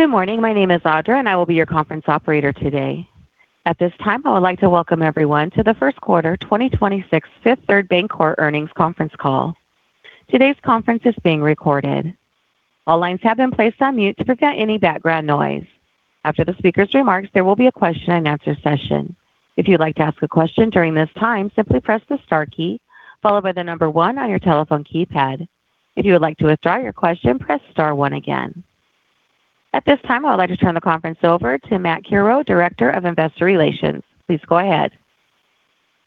Good morning. My name is Audra, and I will be your conference operator today. At this time, I would like to welcome everyone to the First Quarter 2026 Fifth Third Bancorp Earnings Conference Call. Today's conference is being recorded. All lines have been placed on mute to prevent any background noise. After the speaker's remarks, there will be a question-and-answer session. If you'd like to ask a question during this time, simply press the star key followed by the number one on your telephone keypad. If you would like to withdraw your question, press star one again. At this time, I would like to turn the conference over to Matt Curoe, Director of Investor Relations. Please go ahead.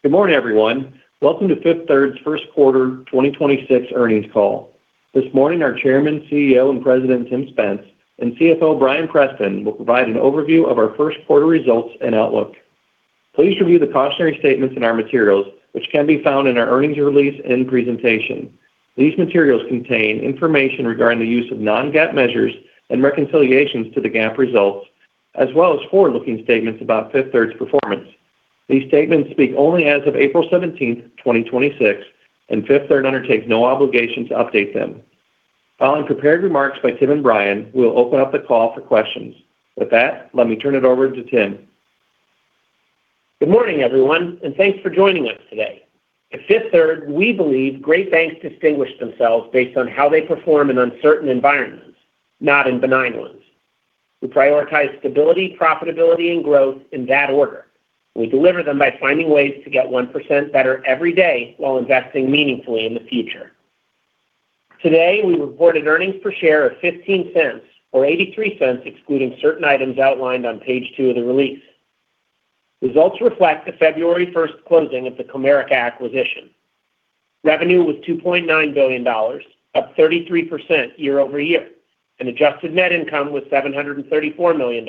Good morning, everyone. Welcome to Fifth Third's First Quarter 2026 Earnings Call. This morning, our Chairman, CEO, and President, Tim Spence, and CFO, Bryan Preston, will provide an overview of our first quarter results and outlook. Please review the cautionary statements in our materials, which can be found in our earnings release and presentation. These materials contain information regarding the use of non-GAAP measures and reconciliations to the GAAP results, as well as forward-looking statements about Fifth Third's performance. These statements speak only as of April 17th, 2026, and Fifth Third undertakes no obligation to update them. Following prepared remarks by Tim and Bryan, we'll open up the call for questions. With that, let me turn it over to Tim. Good morning, everyone, and thanks for joining us today. At Fifth Third, we believe great banks distinguish themselves based on how they perform in uncertain environments, not in benign ones. We prioritize stability, profitability, and growth in that order. We deliver them by finding ways to get 1% better every day while investing meaningfully in the future. Today, we reported earnings per share of $0.15 or $0.83 excluding certain items outlined on page two of the release. Results reflect the February 1st closing of the Comerica acquisition. Revenue was $2.9 billion, up 33% year-over-year, and adjusted net income was $734 million,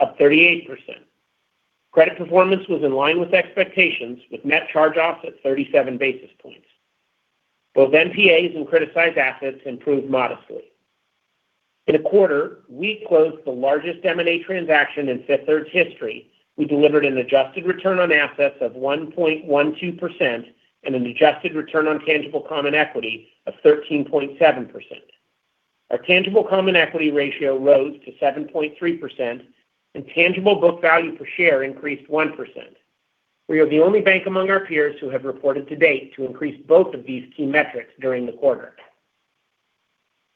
up 38%. Credit performance was in line with expectations with net charge-offs at 37 basis points. Both NPAs and criticized assets improved modestly. In a quarter, we closed the largest M&A transaction in Fifth Third's history. We delivered an adjusted return on assets of 1.12% and an adjusted return on Tangible Common Equity of 13.7%. Our Tangible Common Equity ratio rose to 7.3%, and tangible book value per share increased 1%. We are the only bank among our peers who have reported to date to increase both of these key metrics during the quarter.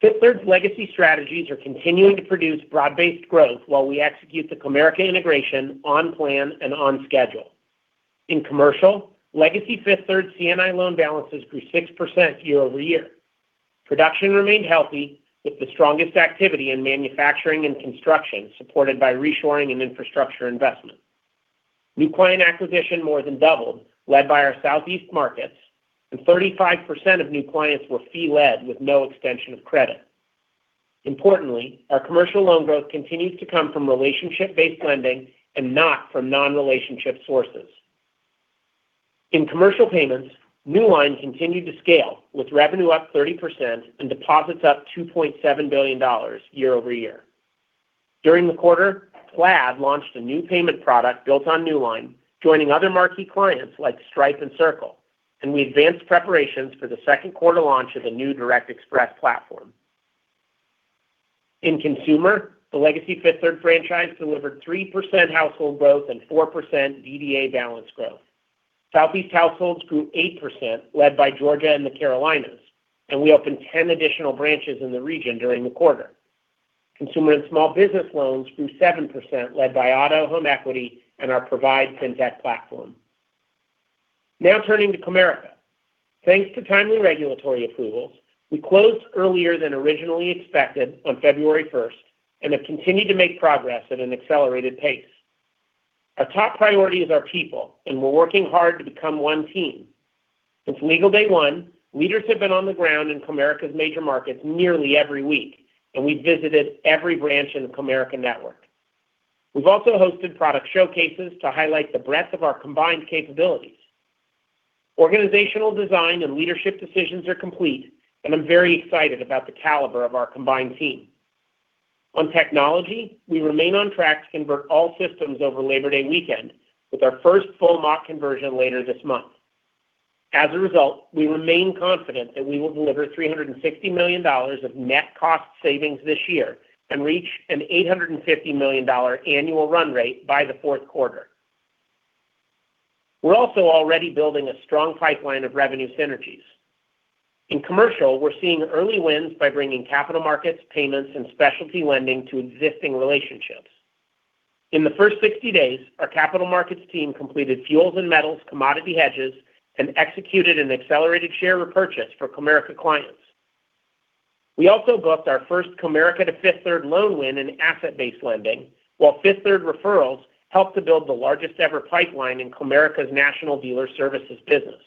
Fifth Third's legacy strategies are continuing to produce broad-based growth while we execute the Comerica integration on plan and on schedule. In commercial, legacy Fifth Third C&I loan balances grew 6% year-over-year. Production remained healthy with the strongest activity in manufacturing and construction, supported by reshoring and infrastructure investment. New client acquisition more than doubled, led by our Southeast markets, and 35% of new clients were fee-led with no extension of credit. Importantly, our commercial loan growth continues to come from relationship-based lending and not from non-relationship sources. In commercial payments, Newline continued to scale with revenue up 30% and deposits up $2.7 billion year-over-year. During the quarter, Plaid launched a new payment product built on Newline, joining other marquee clients like Stripe and Circle, and we advanced preparations for the second quarter launch of the new Direct Express platform. In consumer, the legacy Fifth Third franchise delivered 3% household growth and 4% DDA balance growth. Southeast households grew 8%, led by Georgia and the Carolinas, and we opened 10 additional branches in the region during the quarter. Consumer and small business loans grew 7%, led by auto, home equity, and our Provide FinTech platform. Now turning to Comerica. Thanks to timely regulatory approvals, we closed earlier than originally expected on February 1st and have continued to make progress at an accelerated pace. Our top priority is our people, and we're working hard to become one team. Since legal day one, leaders have been on the ground in Comerica's major markets nearly every week, and we visited every branch in the Comerica network. We've also hosted product showcases to highlight the breadth of our combined capabilities. Organizational design and leadership decisions are complete, and I'm very excited about the caliber of our combined team. On technology, we remain on track to convert all systems over Labor Day weekend with our first full mock conversion later this month. As a result, we remain confident that we will deliver $360 million of net cost savings this year and reach an $850 million annual run rate by the fourth quarter. We're also already building a strong pipeline of revenue synergies. In commercial, we're seeing early wins by bringing capital markets, payments, and specialty lending to existing relationships. In the first 60 days, our capital markets team completed fuels and metals commodity hedges and executed an accelerated share repurchase for Comerica clients. We also booked our first Comerica to Fifth Third loan win in asset-based lending, while Fifth Third referrals helped to build the largest-ever pipeline in Comerica's national dealer services business.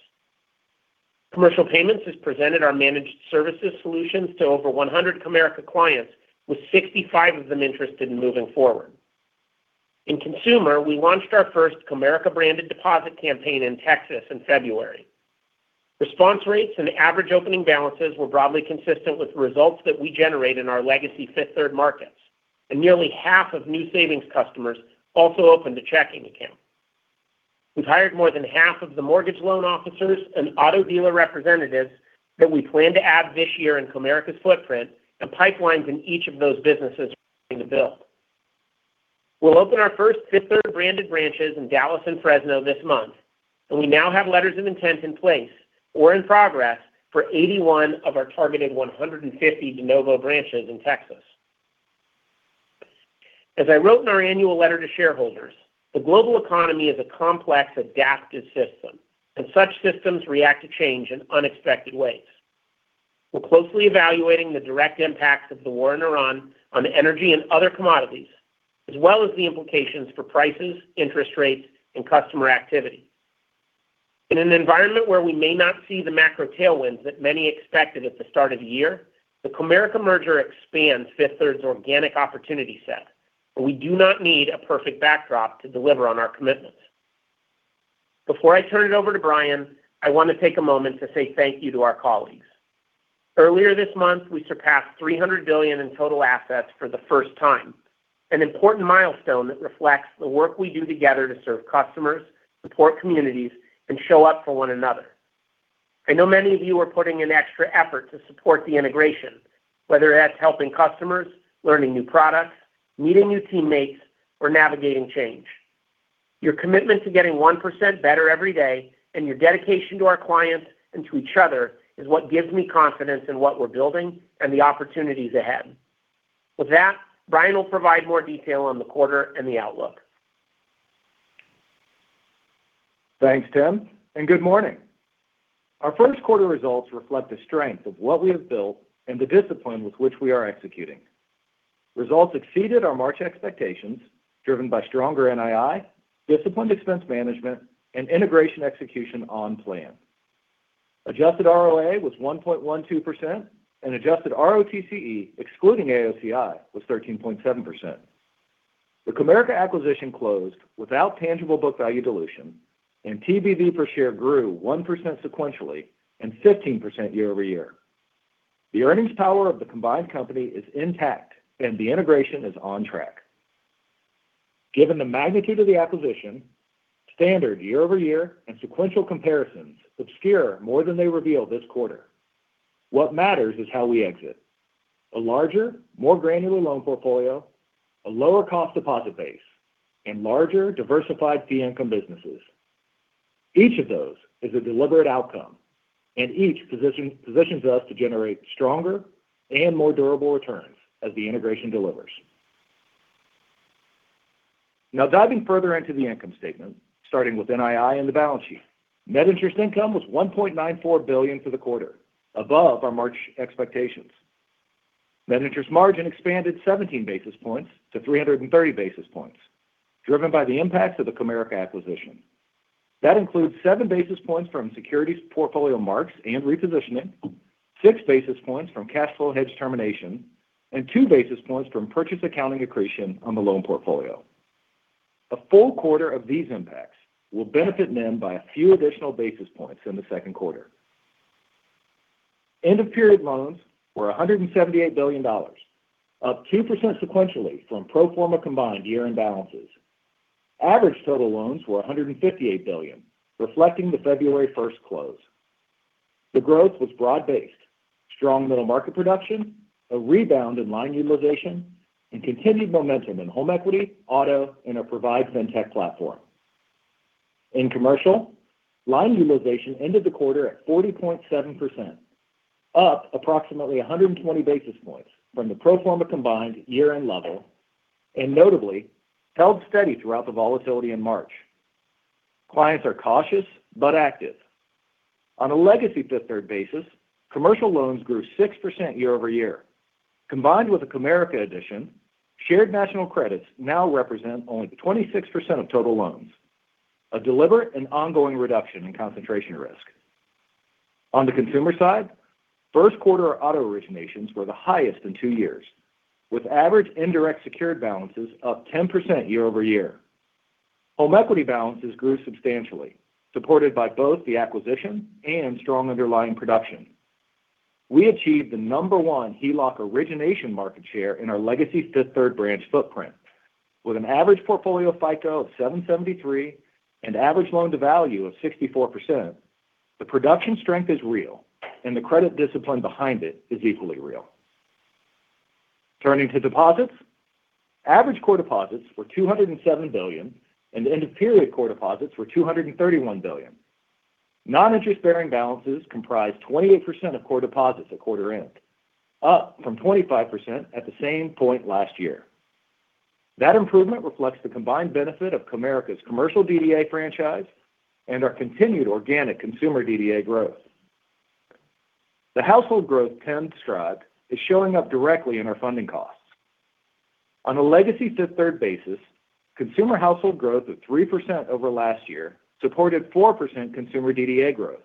Commercial payments has presented our managed services solutions to over 100 Comerica clients, with 65 of them interested in moving forward. In consumer, we launched our first Comerica-branded deposit campaign in Texas in February. Response rates and average opening balances were broadly consistent with results that we generate in our legacy Fifth Third markets, and nearly half of new savings customers also opened a checking account. We've hired more than half of the mortgage loan officers and auto dealer representatives that we plan to add this year in Comerica's footprint, and pipelines in each of those businesses are building. We'll open our first Fifth Third-branded branches in Dallas and Fresno this month, and we now have letters of intent in place or in progress for 81 of our targeted 150 de novo branches in Texas. As I wrote in our annual letter to shareholders, the global economy is a complex, adaptive system, and such systems react to change in unexpected ways. We're closely evaluating the direct impacts of the war in Iran on energy and other commodities, as well as the implications for prices, interest rates, and customer activity. In an environment where we may not see the macro tailwinds that many expected at the start of the year, the Comerica merger expands Fifth Third's organic opportunity set, but we do not need a perfect backdrop to deliver on our commitments. Before I turn it over to Bryan, I want to take a moment to say thank you to our colleagues. Earlier this month, we surpassed $300 billion in total assets for the first time, an important milestone that reflects the work we do together to serve customers, support communities, and show up for one another. I know many of you are putting in extra effort to support the integration, whether that's helping customers, learning new products, meeting new teammates, or navigating change. Your commitment to getting 1% better every day and your dedication to our clients and to each other is what gives me confidence in what we're building and the opportunities ahead. With that, Bryan will provide more detail on the quarter and the outlook. Thanks, Tim, and good morning. Our first quarter results reflect the strength of what we have built and the discipline with which we are executing. Results exceeded our March expectations, driven by stronger NII, disciplined expense management, and integration execution on plan. Adjusted ROA was 1.12%, and adjusted ROTCE, excluding AOCI, was 13.7%. The Comerica acquisition closed without tangible book value dilution, and TBV per share grew 1% sequentially and 15% year-over-year. The earnings power of the combined company is intact and the integration is on track. Given the magnitude of the acquisition, standard year-over-year and sequential comparisons obscure more than they reveal this quarter. What matters is how we exit. A larger, more granular loan portfolio, a lower cost deposit base, and larger diversified fee income businesses. Each of those is a deliberate outcome, and each positions us to generate stronger and more durable returns as the integration delivers. Now, diving further into the income statement, starting with NII and the balance sheet. Net interest income was $1.94 billion for the quarter, above our March expectations. Net interest margin expanded 17 basis points to 330 basis points, driven by the impacts of the Comerica acquisition. That includes seven basis points from securities portfolio marks and repositioning, six basis points from cash flow hedge termination, and two basis points from purchase accounting accretion on the loan portfolio. A full quarter of these impacts will benefit NIM by a few additional basis points in the second quarter. End-of-period loans were $178 billion, up 2% sequentially from pro forma combined year-end balances. Average total loans were $158 billion, reflecting the February 1st close. The growth was broad-based. Strong middle market production, a rebound in line utilization, and continued momentum in home equity, auto, and our Provide fintech platform. In commercial, line utilization ended the quarter at 40.7%, up approximately 120 basis points from the pro forma combined year-end level, and notably, held steady throughout the volatility in March. Clients are cautious but active. On a legacy Fifth Third basis, commercial loans grew 6% year-over-year. Combined with the Comerica addition, Shared National Credits now represent only 26% of total loans, a deliberate and ongoing reduction in concentration risk. On the consumer side, first quarter auto originations were the highest in two years, with average indirect secured balances up 10% year-over-year. Home equity balances grew substantially, supported by both the acquisition and strong underlying production. We achieved the number one HELOC origination market share in our legacy Fifth Third branch footprint, with an average portfolio FICO of 773 and average loan-to-value of 64%. The production strength is real, and the credit discipline behind it is equally real. Turning to deposits. Average core deposits were $207 billion, and the end-of-period core deposits were $231 billion. Non-interest-bearing balances comprised 28% of core deposits at quarter end, up from 25% at the same point last year. That improvement reflects the combined benefit of Comerica's commercial DDA franchise and our continued organic consumer DDA growth. The household growth trend stride is showing up directly in our funding costs. On a legacy Fifth Third basis, consumer household growth of 3% over last year supported 4% consumer DDA growth.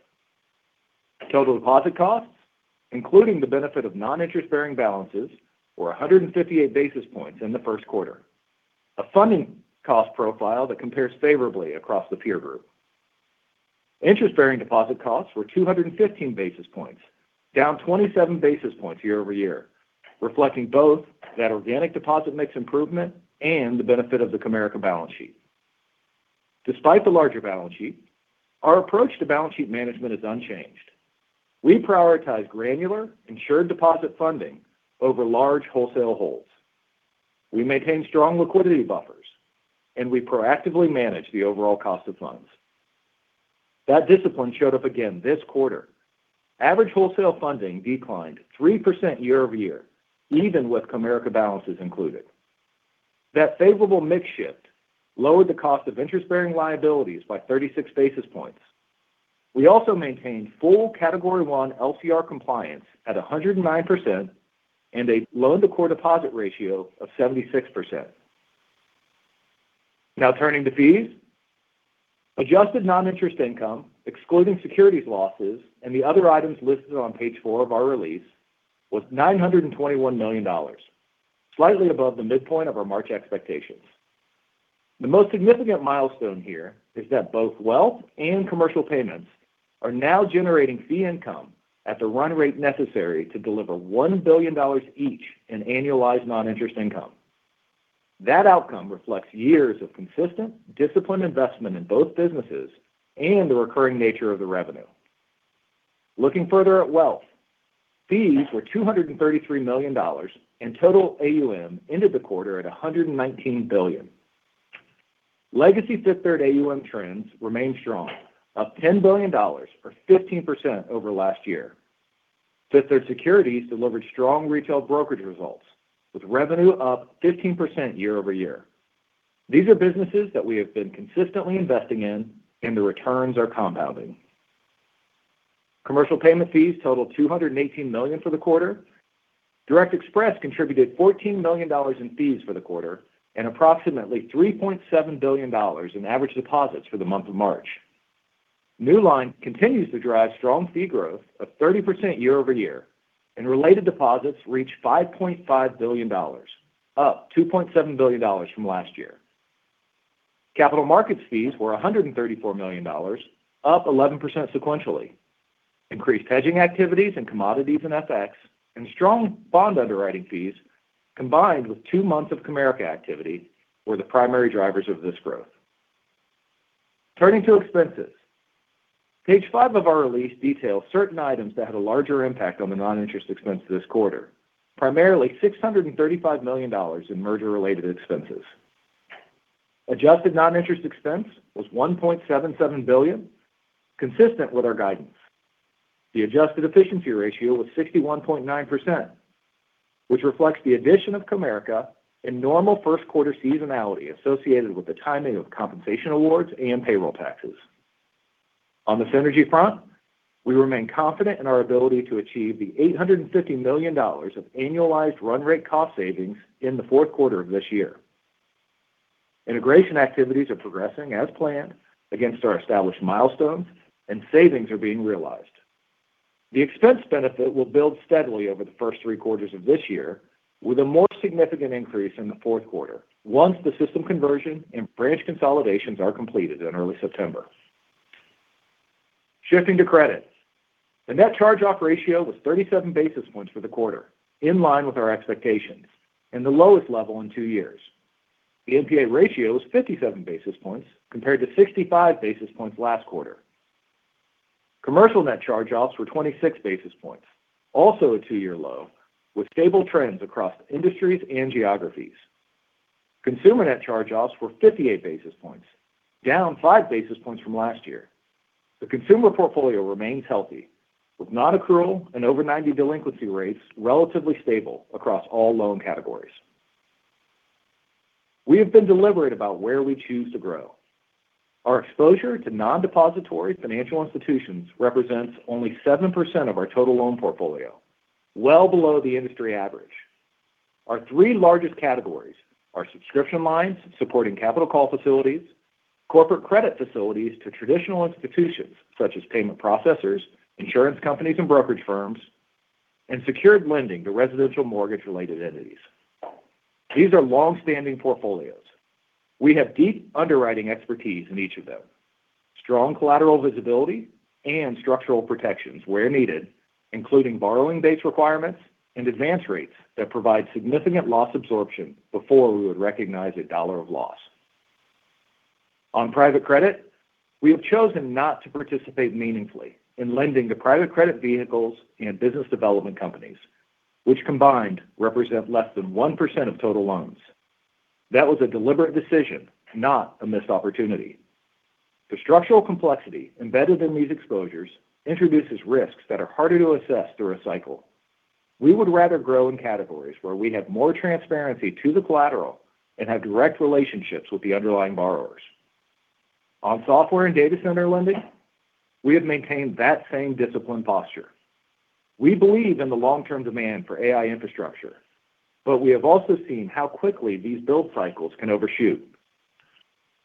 Total deposit costs, including the benefit of non-interest-bearing balances, were 158 basis points in the first quarter, a funding cost profile that compares favorably across the peer group. Interest-bearing deposit costs were 215 basis points, down 27 basis points year-over-year, reflecting both the organic deposit mix improvement and the benefit of the Comerica balance sheet. Despite the larger balance sheet, our approach to balance sheet management is unchanged. We prioritize granular, insured deposit funding over large wholesale holds. We maintain strong liquidity buffers, and we proactively manage the overall cost of funds. That discipline showed up again this quarter. Average wholesale funding declined 3% year-over-year, even with Comerica balances included. That favorable mix shift lowered the cost of interest-bearing liabilities by 36 basis points. We also maintained full Category 1 LCR compliance at 109% and a loan-to-core deposit ratio of 76%. Now turning to fees. Adjusted non-interest income, excluding securities losses and the other items listed on page four of our release, was $921 million, slightly above the midpoint of our March expectations. The most significant milestone here is that both wealth and commercial payments are now generating fee income at the run rate necessary to deliver $1 billion each in annualized non-interest income. That outcome reflects years of consistent disciplined investment in both businesses and the recurring nature of the revenue. Looking further at wealth, fees were $233 million, and total AUM ended the quarter at $119 billion. Legacy Fifth Third AUM trends remained strong, up $10 billion or 15% over last year. Fifth Third Securities delivered strong retail brokerage results, with revenue up 15% year-over-year. These are businesses that we have been consistently investing in and the returns are compounding. Commercial payment fees totaled $218 million for the quarter. Direct Express contributed $14 million in fees for the quarter, and approximately $3.7 billion in average deposits for the month of March. Newline continues to drive strong fee growth of 30% year-over-year, and related deposits reached $5.5 billion, up $2.7 billion from last year. Capital markets fees were $134 million, up 11% sequentially. Increased hedging activities in commodities and FX, and strong bond underwriting fees, combined with two months of Comerica activity, were the primary drivers of this growth. Turning to expenses. Page five of our release details certain items that had a larger impact on the non-interest expense this quarter, primarily $635 million in merger-related expenses. Adjusted non-interest expense was $1.77 billion, consistent with our guidance. The adjusted efficiency ratio was 61.9%, which reflects the addition of Comerica and normal first quarter seasonality associated with the timing of compensation awards and payroll taxes. On the synergy front, we remain confident in our ability to achieve the $850 million of annualized run rate cost savings in the fourth quarter of this year. Integration activities are progressing as planned against our established milestones, and savings are being realized. The expense benefit will build steadily over the first three quarters of this year, with a more significant increase in the fourth quarter, once the system conversion and branch consolidations are completed in early September. Shifting to credits. The net charge-off ratio was 37 basis points for the quarter, in line with our expectations, and the lowest level in two years. The NPA ratio was 57 basis points compared to 65 basis points last quarter. Commercial net charge-offs were 26 basis points, also a two-year low, with stable trends across industries and geographies. Consumer net charge-offs were 58 basis points, down five basis points from last year. The consumer portfolio remains healthy, with non-accrual and over 90 delinquency rates relatively stable across all loan categories. We have been deliberate about where we choose to grow. Our exposure to non-depository financial institutions represents only 7% of our total loan portfolio, well below the industry average. Our three largest categories are subscription lines supporting capital call facilities, corporate credit facilities to traditional institutions such as payment processors, insurance companies, and brokerage firms, and secured lending to residential mortgage-related entities. These are long-standing portfolios. We have deep underwriting expertise in each of them, strong collateral visibility, and structural protections where needed, including borrowing base requirements and advance rates that provide significant loss absorption before we would recognize a dollar of loss. On private credit, we have chosen not to participate meaningfully in lending to private credit vehicles and business development companies, which combined represent less than 1% of total loans. That was a deliberate decision, not a missed opportunity. The structural complexity embedded in these exposures introduces risks that are harder to assess through a cycle. We would rather grow in categories where we have more transparency to the collateral and have direct relationships with the underlying borrowers. On software and data center lending, we have maintained that same discipline posture. We believe in the long-term demand for AI infrastructure, but we have also seen how quickly these build cycles can overshoot.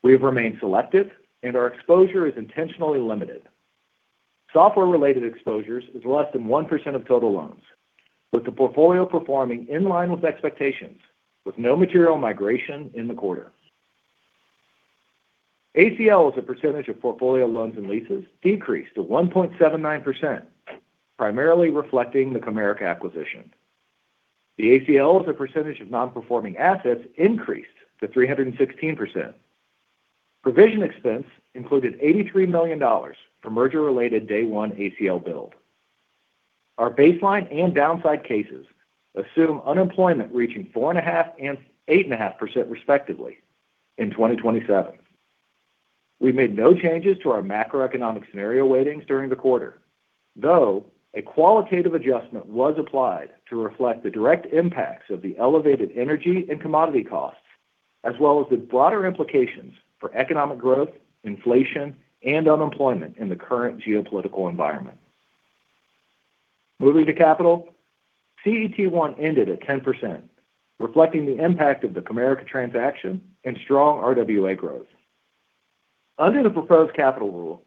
We have remained selective, and our exposure is intentionally limited. Software-related exposures is less than 1% of total loans, with the portfolio performing in line with expectations, with no material migration in the quarter. ACL as a percentage of portfolio loans and leases decreased to 1.79%, primarily reflecting the Comerica acquisition. The ACL as a percentage of non-performing assets increased to 316%. Provision expense included $83 million for merger-related day one ACL build. Our baseline and downside cases assume unemployment reaching 4.5% and 8.5% respectively in 2027. We made no changes to our macroeconomic scenario weightings during the quarter, though a qualitative adjustment was applied to reflect the direct impacts of the elevated energy and commodity costs, as well as the broader implications for economic growth, inflation, and unemployment in the current geopolitical environment. Moving to capital, CET1 ended at 10%, reflecting the impact of the Comerica transaction and strong RWA growth. Under the proposed capital rule,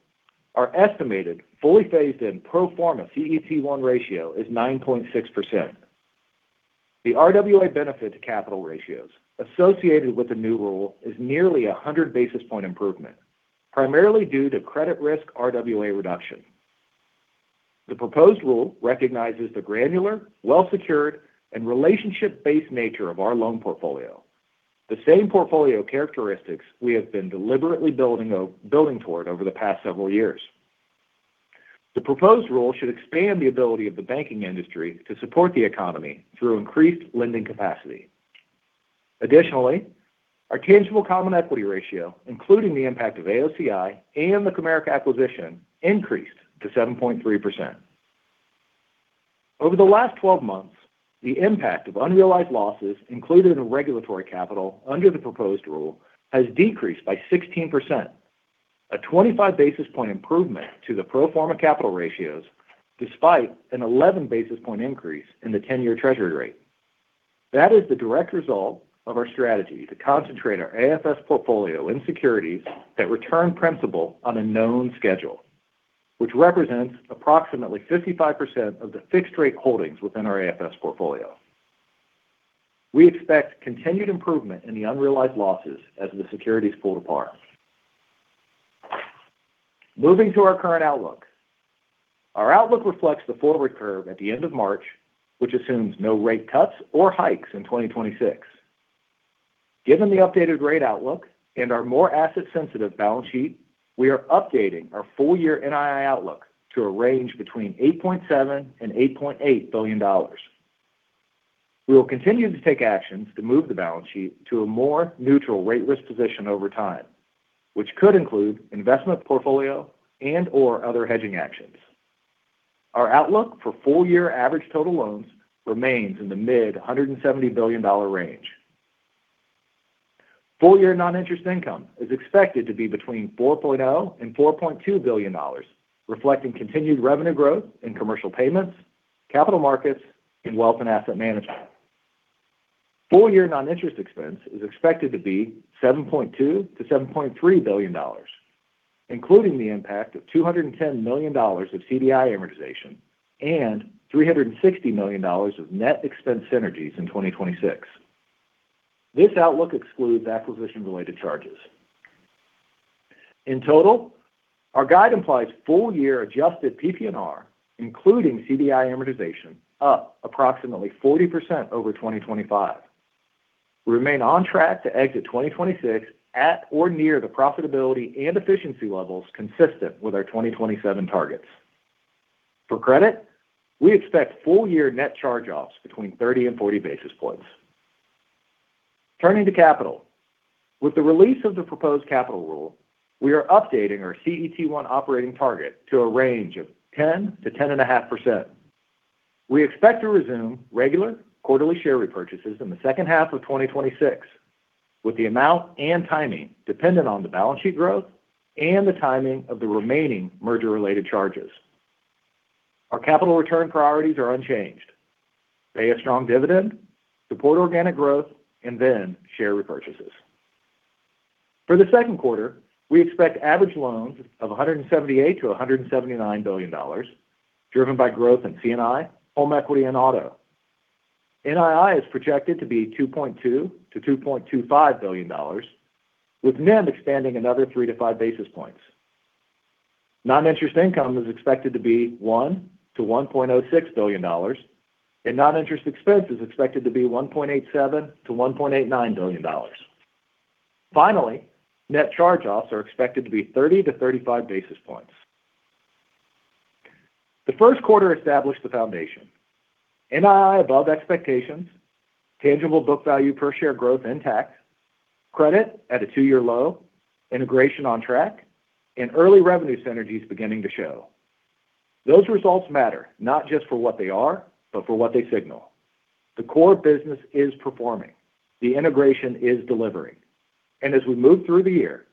our estimated fully phased-in pro forma CET1 ratio is 9.6%. The RWA benefit to capital ratios associated with the new rule is nearly 100 basis point improvement, primarily due to credit risk RWA reduction. The proposed rule recognizes the granular, well-secured, and relationship-based nature of our loan portfolio. The same portfolio characteristics we have been deliberately building toward over the past several years. The proposed rule should expand the ability of the banking industry to support the economy through increased lending capacity. Additionally, our tangible common equity ratio, including the impact of AOCI and the Comerica acquisition, increased to 7.3%. Over the last 12 months, the impact of unrealized losses included in the regulatory capital under the proposed rule has decreased by 16%, a 25 basis point improvement to the pro forma capital ratios, despite an 11 basis point increase in the 10-year Treasury rate. That is the direct result of our strategy to concentrate our AFS portfolio in securities that return principal on a known schedule, which represents approximately 55% of the fixed rate holdings within our AFS portfolio. We expect continued improvement in the unrealized losses as the securities pull to par. Moving to our current outlook. Our outlook reflects the forward curve at the end of March, which assumes no rate cuts or hikes in 2026. Given the updated rate outlook and our more asset-sensitive balance sheet, we are updating our full-year NII outlook to a range between $8.7 billion and $8.8 billion. We will continue to take actions to move the balance sheet to a more neutral rate risk position over time, which could include investment portfolio and/or other hedging actions. Our outlook for full-year average total loans remains in the mid-$170 billion range. Full-year non-interest income is expected to be between $4.0 billion and $4.2 billion, reflecting continued revenue growth in commercial payments, capital markets, and wealth and asset management. Full-year non-interest expense is expected to be $7.2 billion-$7.3 billion, including the impact of $210 million of CDI amortization, and $360 million of net expense synergies in 2026. This outlook excludes acquisition-related charges. In total, our guide implies full-year adjusted PPNR, including CDI amortization, up approximately 40% over 2025. We remain on track to exit 2026 at or near the profitability and efficiency levels consistent with our 2027 targets. For credit, we expect full-year net charge-offs between 30 and 40 basis points. Turning to capital. With the release of the proposed capital rule, we are updating our CET1 operating target to a range of 10%-10.5%. We expect to resume regular quarterly share repurchases in the second half of 2026, with the amount and timing dependent on the balance sheet growth and the timing of the remaining merger-related charges. Our capital return priorities are unchanged. Pay a strong dividend, support organic growth, and then share repurchases. For the second quarter, we expect average loans of $178 billion-$179 billion, driven by growth in C&I, home equity, and auto. NII is projected to be $2.2 billion-$2.25 billion, with NIM expanding another three to five basis points. Non-interest income is expected to be $1 billion-$1.06 billion, and non-interest expense is expected to be $1.87 billion-$1.89 billion. Finally, net charge-offs are expected to be 30-35 basis points. The first quarter established the foundation. NII above expectations, tangible book value per share growth intact, credit at a two-year low, integration on track, and early revenue synergies beginning to show. Those results matter, not just for what they are, but for what they signal. The core business is performing, the integration is delivering, and as we move through the year,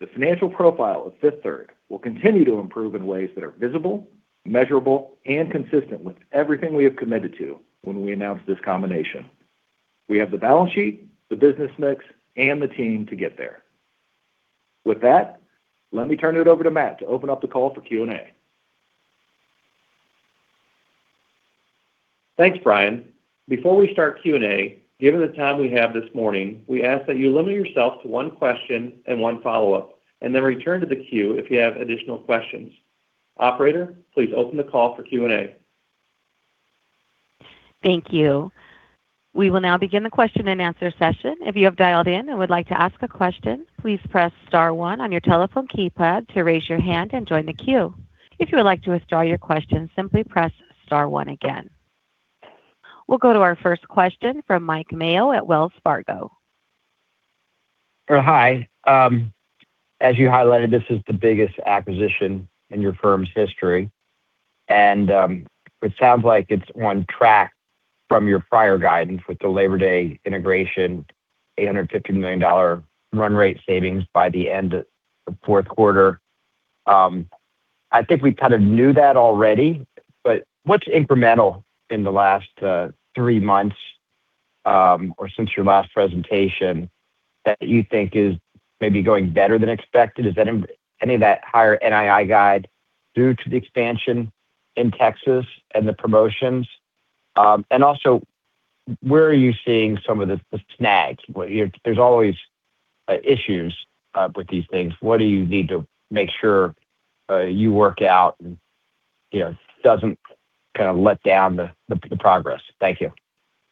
the financial profile of Fifth Third will continue to improve in ways that are visible, measurable, and consistent with everything we have committed to when we announced this combination. We have the balance sheet, the business mix, and the team to get there. With that, let me turn it over to Matt to open up the call for Q&A. Thanks, Bryan. Before we start Q&A, given the time we have this morning, we ask that you limit yourself to one question and one follow-up, and then return to the queue if you have additional questions. Operator, please open the call for Q&A. Thank you. We will now begin the question and answer session. If you have dialed in and would like to ask a question, please press star one on your telephone keypad to raise your hand and join the queue. If you would like to withdraw your question, simply press star one again. We'll go to our first question from Mike Mayo at Wells Fargo. Hi. As you highlighted, this is the biggest acquisition in your firm's history, and it sounds like it's on track from your prior guidance with the Labor Day integration, $850 million run rate savings by the end of fourth quarter. I think we kind of knew that already, but what's incremental in the last three months, or since your last presentation, that you think is maybe going better than expected? Is any of that higher NII guide due to the expansion in Texas and the promotions? Where are you seeing some of the snags? There's always issues with these things. What do you need to make sure you work out and doesn't kind of let down the progress? Thank you.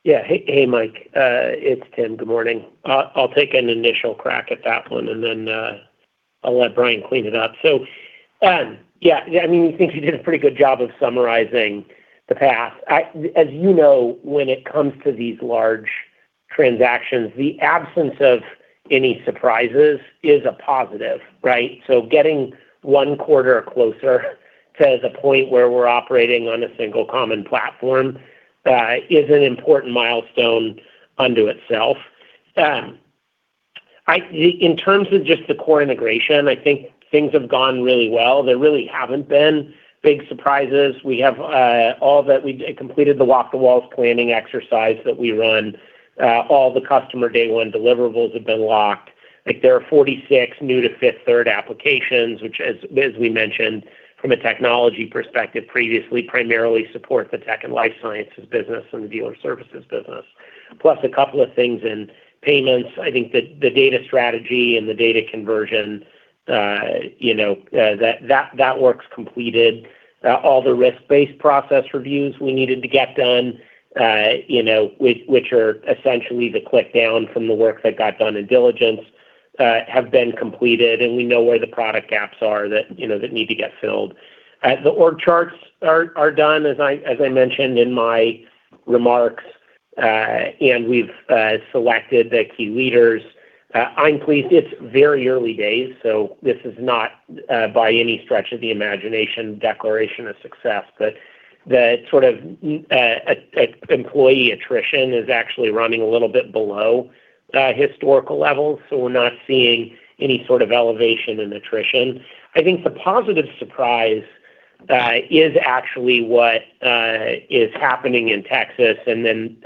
Yeah. Hey, Mike. It's Tim. Good morning. I'll take an initial crack at that one and then I'll let Bryan clean it up. Yeah. I think you did a pretty good job of summarizing the path. As you know, when it comes to these large transactions, the absence of any surprises is a positive, right? Getting one quarter closer to the point where we're operating on a single common platform is an important milestone unto itself. In terms of just the core integration, I think things have gone really well. There really haven't been big surprises. We completed the lock the walls planning exercise that we run. All the customer day-one deliverables have been locked. There are 46 new to Fifth Third applications, which as we mentioned from a technology perspective previously, primarily support the tech and life sciences business and the dealer services business. A couple of things in payments. I think the data strategy and the data conversion, that work's completed. All the risk-based process reviews we needed to get done which are essentially the drill down from the work that got done in diligence, have been completed, and we know where the product gaps are that need to get filled. The org charts are done, as I mentioned in my remarks, and we've selected the key leaders. I'm pleased. It's very early days, so this is not by any stretch of the imagination a declaration of success. The sort of employee attrition is actually running a little bit below historical levels. We're not seeing any sort of elevation in attrition. I think the positive surprise is actually what is happening in Texas, and then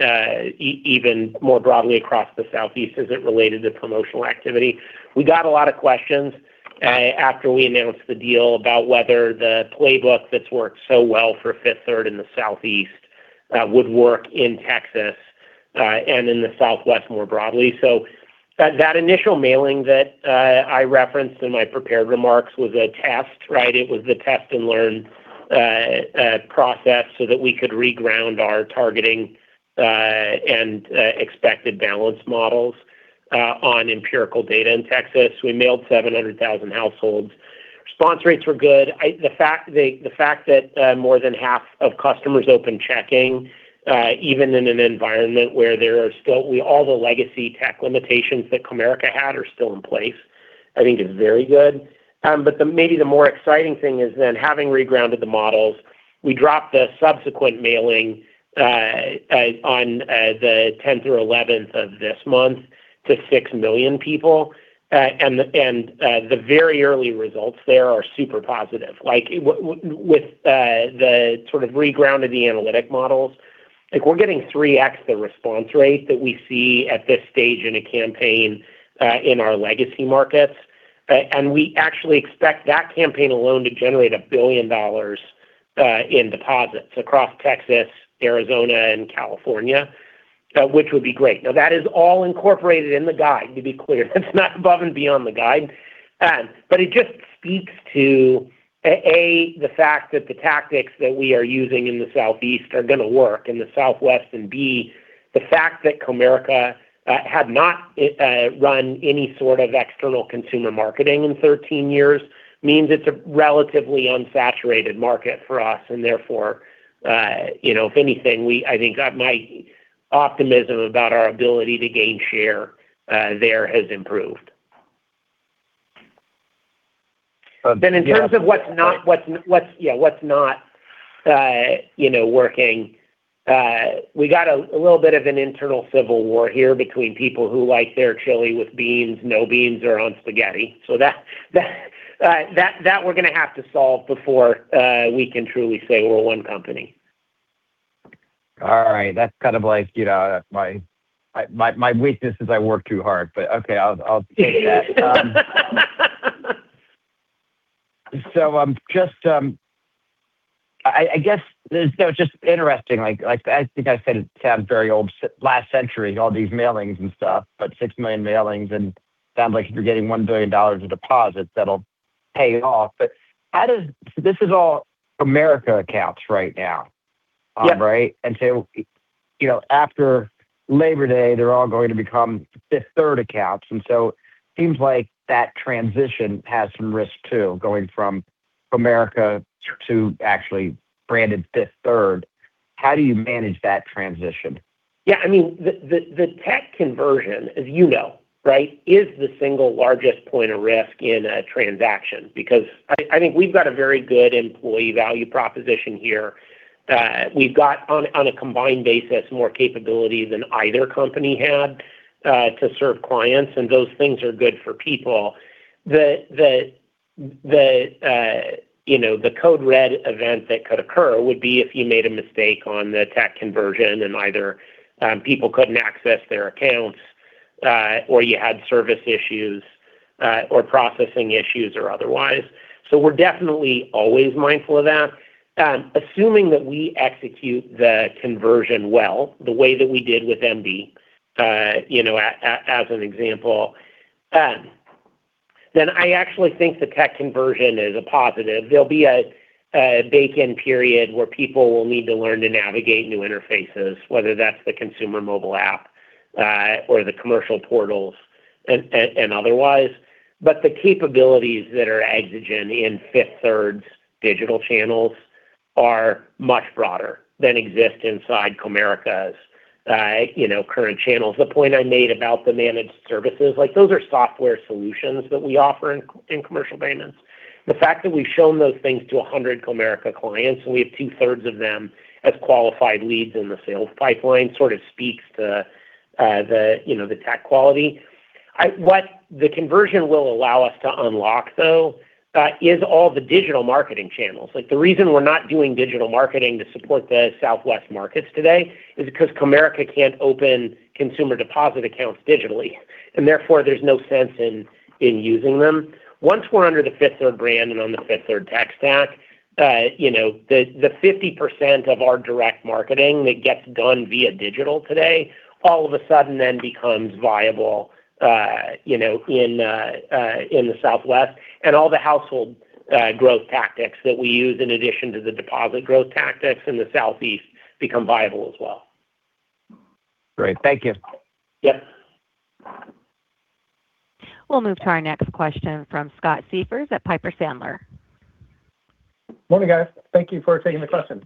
even more broadly across the Southeast as it related to promotional activity. We got a lot of questions after we announced the deal about whether the playbook that's worked so well for Fifth Third in the Southeast would work in Texas and in the Southwest more broadly. That initial mailing that I referenced in my prepared remarks was a test, right? It was a test-and-learn process so that we could reground our targeting and expected balance models on empirical data in Texas. We mailed 700,000 households. Response rates were good. The fact that more than half of customers opened checking even in an environment where all the legacy tech limitations that Comerica had are still in place, I think is very good. But maybe the more exciting thing is then having regrounded the models, we dropped the subsequent mailing on the 10th or 11th of this month to 6 million people. The very early results there are super positive. With the sort of reground of the analytic models, we're getting 3x the response rate that we see at this stage in a campaign in our legacy markets. We actually expect that campaign alone to generate $1 billion in deposits across Texas, Arizona, and California, which would be great. Now, that is all incorporated in the guide, to be clear. That's not above and beyond the guide. It just speaks to, A, the fact that the tactics that we are using in the Southeast are going to work in the Southwest, and B, the fact that Comerica had not run any sort of external consumer marketing in 13 years means it's a relatively unsaturated market for us, and therefore, if anything, I think my optimism about our ability to gain share there has improved. In terms of what's not working. We got a little bit of an internal civil war here between people who like their chili with beans, no beans, or on spaghetti. That we're going to have to solve before we can truly say we're one company. All right. That's kind of like my weakness is I work too hard, but okay, I'll take that. Just interesting, I think I said it sounds very old, last century, all these mailings and stuff. 6 million mailings and sounds like you're getting $1 billion of deposits that'll pay it off. This is all Comerica accounts right now. Yep. Right? After Labor Day, they're all going to become Fifth Third accounts. Seems like that transition has some risk too, going from Comerica to actually branded Fifth Third. How do you manage that transition? Yeah, the tech conversion, as you know, is the single largest point of risk in a transaction. I think we've got a very good employee value proposition here. We've got, on a combined basis, more capability than either company had to serve clients, and those things are good for people. The code red event that could occur would be if you made a mistake on the tech conversion and either people couldn't access their accounts or you had service issues or processing issues or otherwise. We're definitely always mindful of that. Assuming that we execute the conversion well, the way that we did with MB, as an example, then I actually think the tech conversion is a positive. There'll be a backend period where people will need to learn to navigate new interfaces, whether that's the consumer mobile app or the commercial portals and otherwise. The capabilities that are existing in Fifth Third's digital channels are much broader than exist inside Comerica's current channels. The point I made about the managed services, those are software solutions that we offer in commercial payments. The fact that we've shown those things to 100 Comerica clients, and we have 2/3 of them as qualified leads in the sales pipeline, sort of speaks to the tech quality. What the conversion will allow us to unlock, though, is all the digital marketing channels. The reason we're not doing digital marketing to support the Southwest markets today is because Comerica can't open consumer deposit accounts digitally. Therefore, there's no sense in using them. Once we're under the Fifth Third brand and on the Fifth Third tech stack, the 50% of our direct marketing that gets done via digital today, all of a sudden then becomes viable in the Southwest. All the household growth tactics that we use in addition to the deposit growth tactics in the Southeast become viable as well. Great. Thank you. Yep. We'll move to our next question from Scott Siefers at Piper Sandler. Morning, guys. Thank you for taking the question.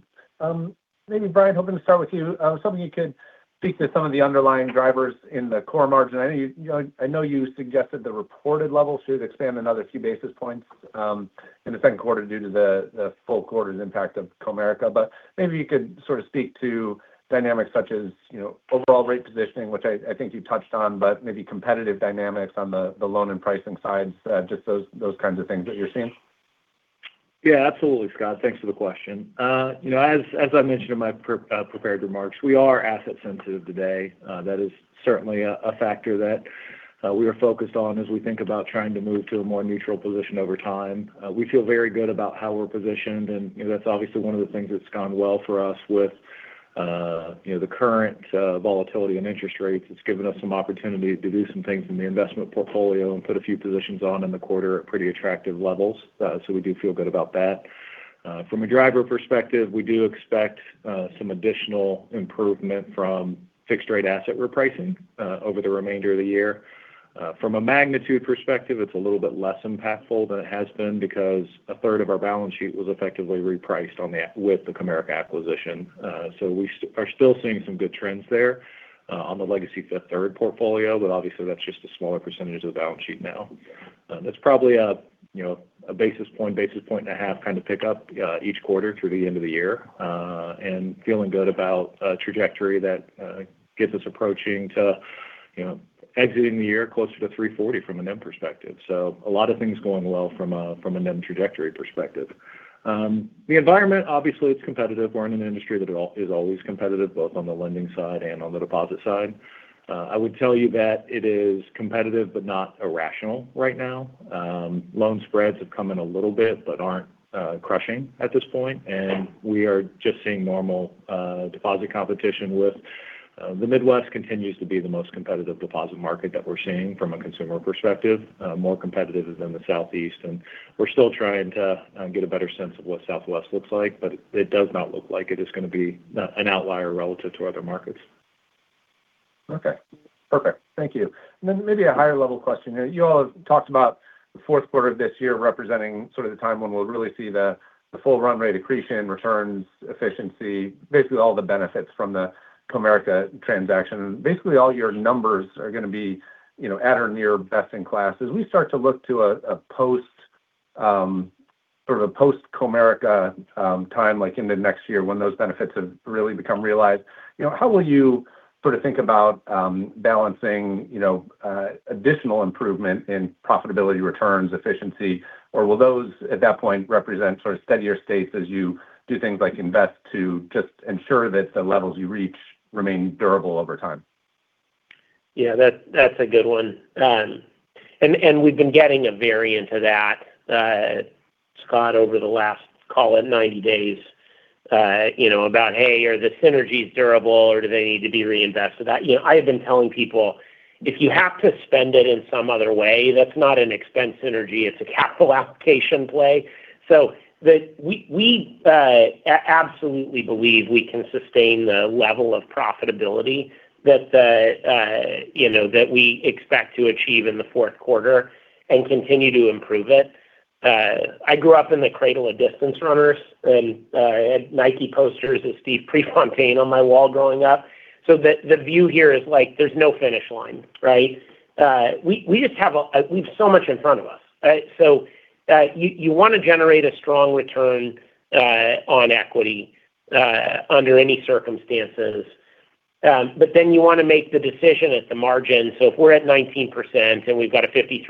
Maybe Bryan, hoping to start with you. If somebody could speak to some of the underlying drivers in the core margin. I know you suggested the reported level should expand another few basis points in the second quarter due to the full quarter's impact of Comerica. Maybe you could sort of speak to dynamics such as overall rate positioning, which I think you touched on, but maybe competitive dynamics on the loan and pricing sides, just those kinds of things that you're seeing. Yeah, absolutely, Scott. Thanks for the question. As I mentioned in my prepared remarks, we are asset sensitive today. That is certainly a factor that we are focused on as we think about trying to move to a more neutral position over time. We feel very good about how we're positioned, and that's obviously one of the things that's gone well for us with the current volatility in interest rates. It's given us some opportunity to do some things in the investment portfolio and put a few positions on in the quarter at pretty attractive levels. So we do feel good about that. From a driver perspective, we do expect some additional improvement from fixed rate asset repricing over the remainder of the year. From a magnitude perspective, it's a little bit less impactful than it has been because a third of our balance sheet was effectively repriced with the Comerica acquisition. We are still seeing some good trends there on the legacy Fifth Third portfolio, but obviously that's just a smaller percentage of the balance sheet now. That's probably a basis point and a half kind of pickup each quarter through the end of the year. Feeling good about a trajectory that gets us approaching to exiting the year closer to 340 from a NIM perspective. A lot of things going well from a NIM trajectory perspective. The environment, obviously, it's competitive. We're in an industry that is always competitive, both on the lending side and on the deposit side. I would tell you that it is competitive but not irrational right now. Loan spreads have come in a little bit but aren't crushing at this point, and we are just seeing normal deposit competition within the Midwest continues to be the most competitive deposit market that we're seeing from a consumer perspective. More competitive than the Southeast. We're still trying to get a better sense of what Southwest looks like, but it does not look like it is going to be an outlier relative to other markets. Okay. Perfect. Thank you. Maybe a higher level question. You all have talked about the fourth quarter of this year representing sort of the time when we'll really see the full run rate accretion, returns, efficiency, basically all the benefits from the Comerica transaction. Basically, all your numbers are going to be at or near best in class. As we start to look to a post Sort of a post-Comerica time, like in the next year when those benefits have really become realized. How will you think about balancing additional improvement in profitability, returns, efficiency? Or will those, at that point, represent sort of steadier states as you do things like invest to just ensure that the levels you reach remain durable over time? Yeah, that's a good one. We've been getting a variant of that, Scott, over the last, call it 90 days, about, "Hey, are the synergies durable or do they need to be reinvested?" I have been telling people, if you have to spend it in some other way, that's not an expense synergy, it's a capital application play. We absolutely believe we can sustain the level of profitability that we expect to achieve in the fourth quarter, and continue to improve it. I grew up in the cradle of distance runners. I had Nike posters of Steve Prefontaine on my wall growing up. The view here is there's no finish line, right? We have so much in front of us. You want to generate a strong return on equity under any circumstances. You want to make the decision at the margin. If we're at 19% and we've got a 53%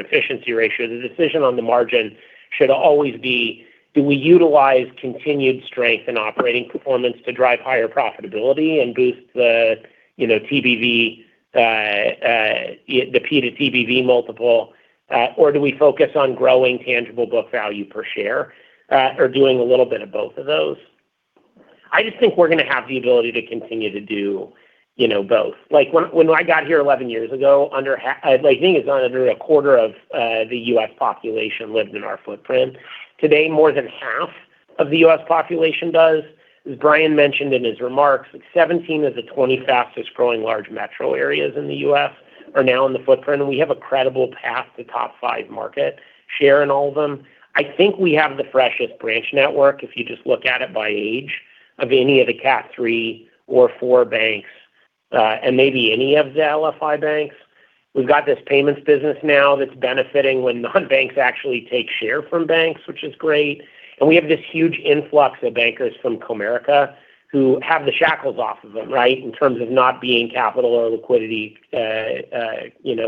efficiency ratio, the decision on the margin should always be, do we utilize continued strength in operating performance to drive higher profitability and boost the P/TBV multiple? Or do we focus on growing tangible book value per share? Or doing a little bit of both of those. I just think we're going to have the ability to continue to do both. When I got here 11 years ago, I think it was under a quarter of the U.S. population lived in our footprint. Today, more than half of the U.S. population does. As Bryan mentioned in his remarks, 17 of the 20 fastest growing large metro areas in the U.S. are now in the footprint, and we have a credible path to top five market share in all of them. I think we have the freshest branch network, if you just look at it by age, of any of the Category III or IV banks, and maybe any of the LFI banks. We've got this payments business now that's benefiting when non-banks actually take share from banks, which is great. We have this huge influx of bankers from Comerica who have the shackles off of them, in terms of not being capital or liquidity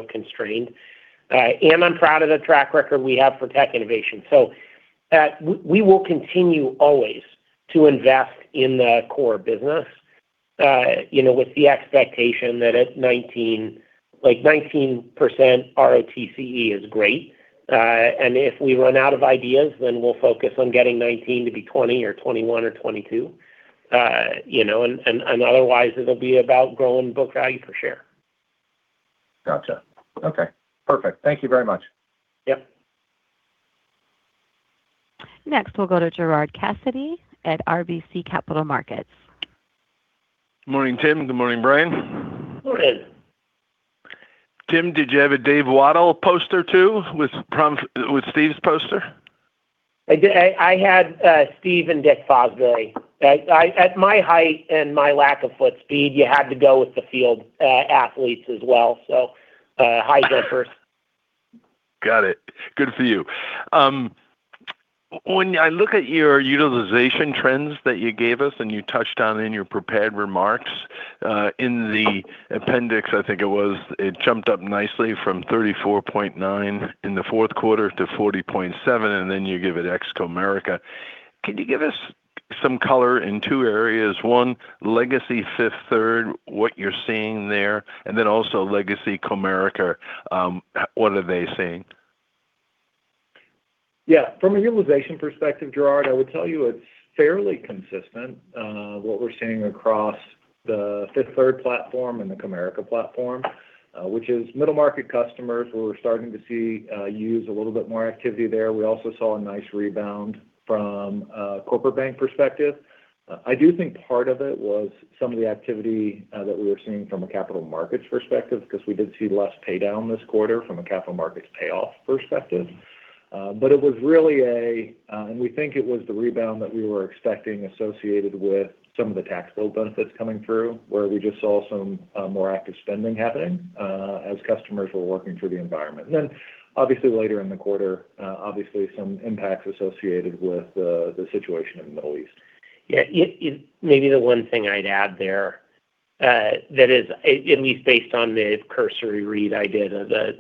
constrained. I'm proud of the track record we have for tech innovation. We will continue always to invest in the core business with the expectation that at 19% ROTCE is great. If we run out of ideas, then we'll focus on getting 19% to be 20% or 21% or 22%. Otherwise it'll be about growing book value per share. Got you. Okay, perfect. Thank you very much. Yep. Next, we'll go to Gerard Cassidy at RBC Capital Markets. Morning, Tim. Good morning, Bryan. Morning. Tim, did you have a Dave Wottle poster too with Steve's poster? I did. I had Steve and Dick Fosbury. At my height and my lack of foot speed, you had to go with the field athletes as well. High jumpers. Got it. Good for you. When I look at your utilization trends that you gave us, and you touched on in your prepared remarks, in the appendix I think it was, it jumped up nicely from 34.9% in the fourth quarter to 40.7%, and then you give it ex-Comerica. Can you give us some color in two areas? One, legacy Fifth Third, what you're seeing there, and then also legacy Comerica. What are they seeing? Yeah. From a utilization perspective, Gerard, I would tell you it's fairly consistent. What we're seeing across the Fifth Third platform and the Comerica platform, which is middle market customers where we're starting to see a little bit more activity there. We also saw a nice rebound from a corporate bank perspective. I do think part of it was some of the activity that we were seeing from a capital markets perspective because we did see less pay down this quarter from a capital markets payoff perspective. We think it was the rebound that we were expecting associated with some of the tax bill benefits coming through, where we just saw some more active spending happening as customers were working through the environment. Obviously, later in the quarter, some impacts associated with the situation in the Middle East. Yeah. Maybe the one thing I'd add there that is, at least based on the cursory read I did of the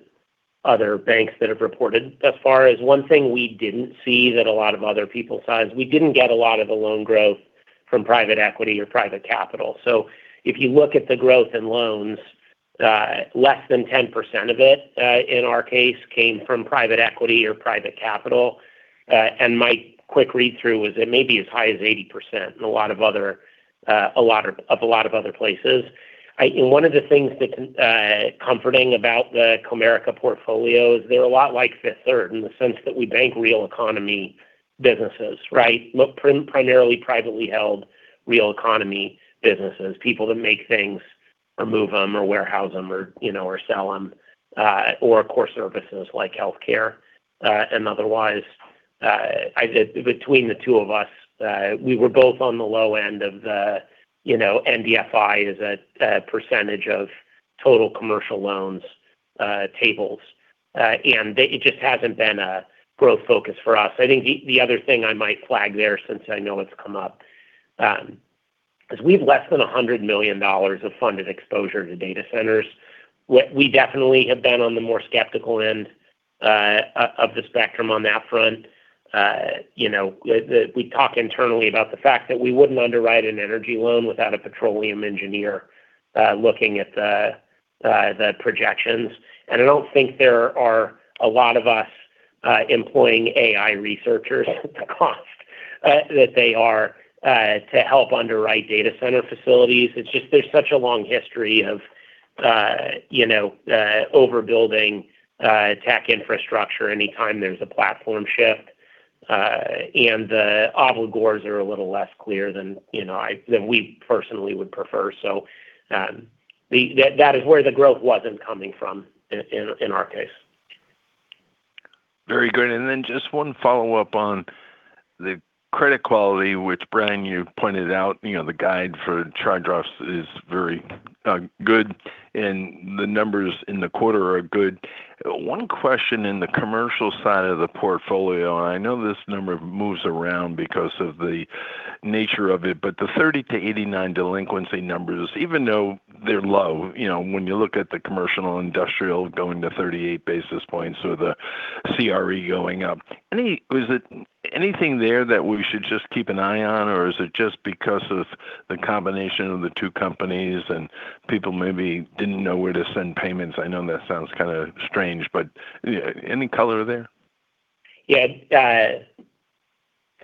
other banks that have reported thus far, is one thing we didn't see that a lot of other people saw is we didn't get a lot of the loan growth from private equity or private capital. If you look at the growth in loans, less than 10% of it, in our case, came from private equity or private capital. My quick read through was it may be as high as 80% of a lot of other places. One of the things that's comforting about the Comerica portfolio is they're a lot like Fifth Third in the sense that we bank real economy businesses. Primarily privately held real economy businesses. People that make things or move them or warehouse them or sell them. Or core services like healthcare. Otherwise between the two of us, we were both on the low end of the MDFI as a percentage of total commercial loans tables. It just hasn't been a growth focus for us. I think the other thing I might flag there, since I know it's come up, is we have less than $100 million of funded exposure to data centers. We definitely have been on the more skeptical end of the spectrum on that front. We talk internally about the fact that we wouldn't underwrite an energy loan without a petroleum engineer looking at the projections. I don't think there are a lot of us employing AI researchers at the cost that they are to help underwrite data center facilities. It's just there's such a long history of overbuilding tech infrastructure anytime there's a platform shift. The obligors are a little less clear than we personally would prefer. That is where the growth wasn't coming from in our case. Very good. Just one follow-up on the credit quality, which Bryan, you pointed out, the guide for charge-offs is very good and the numbers in the quarter are good. One question in the commercial side of the portfolio, and I know this number moves around because of the nature of it, but the 30-89 delinquency numbers, even though they're low, when you look at the commercial and industrial going to 38 basis points or the CRE going up, is it anything there that we should just keep an eye on? Or is it just because of the combination of the two companies and people maybe didn't know where to send payments? I know that sounds kind of strange, but any color there? Yeah. It's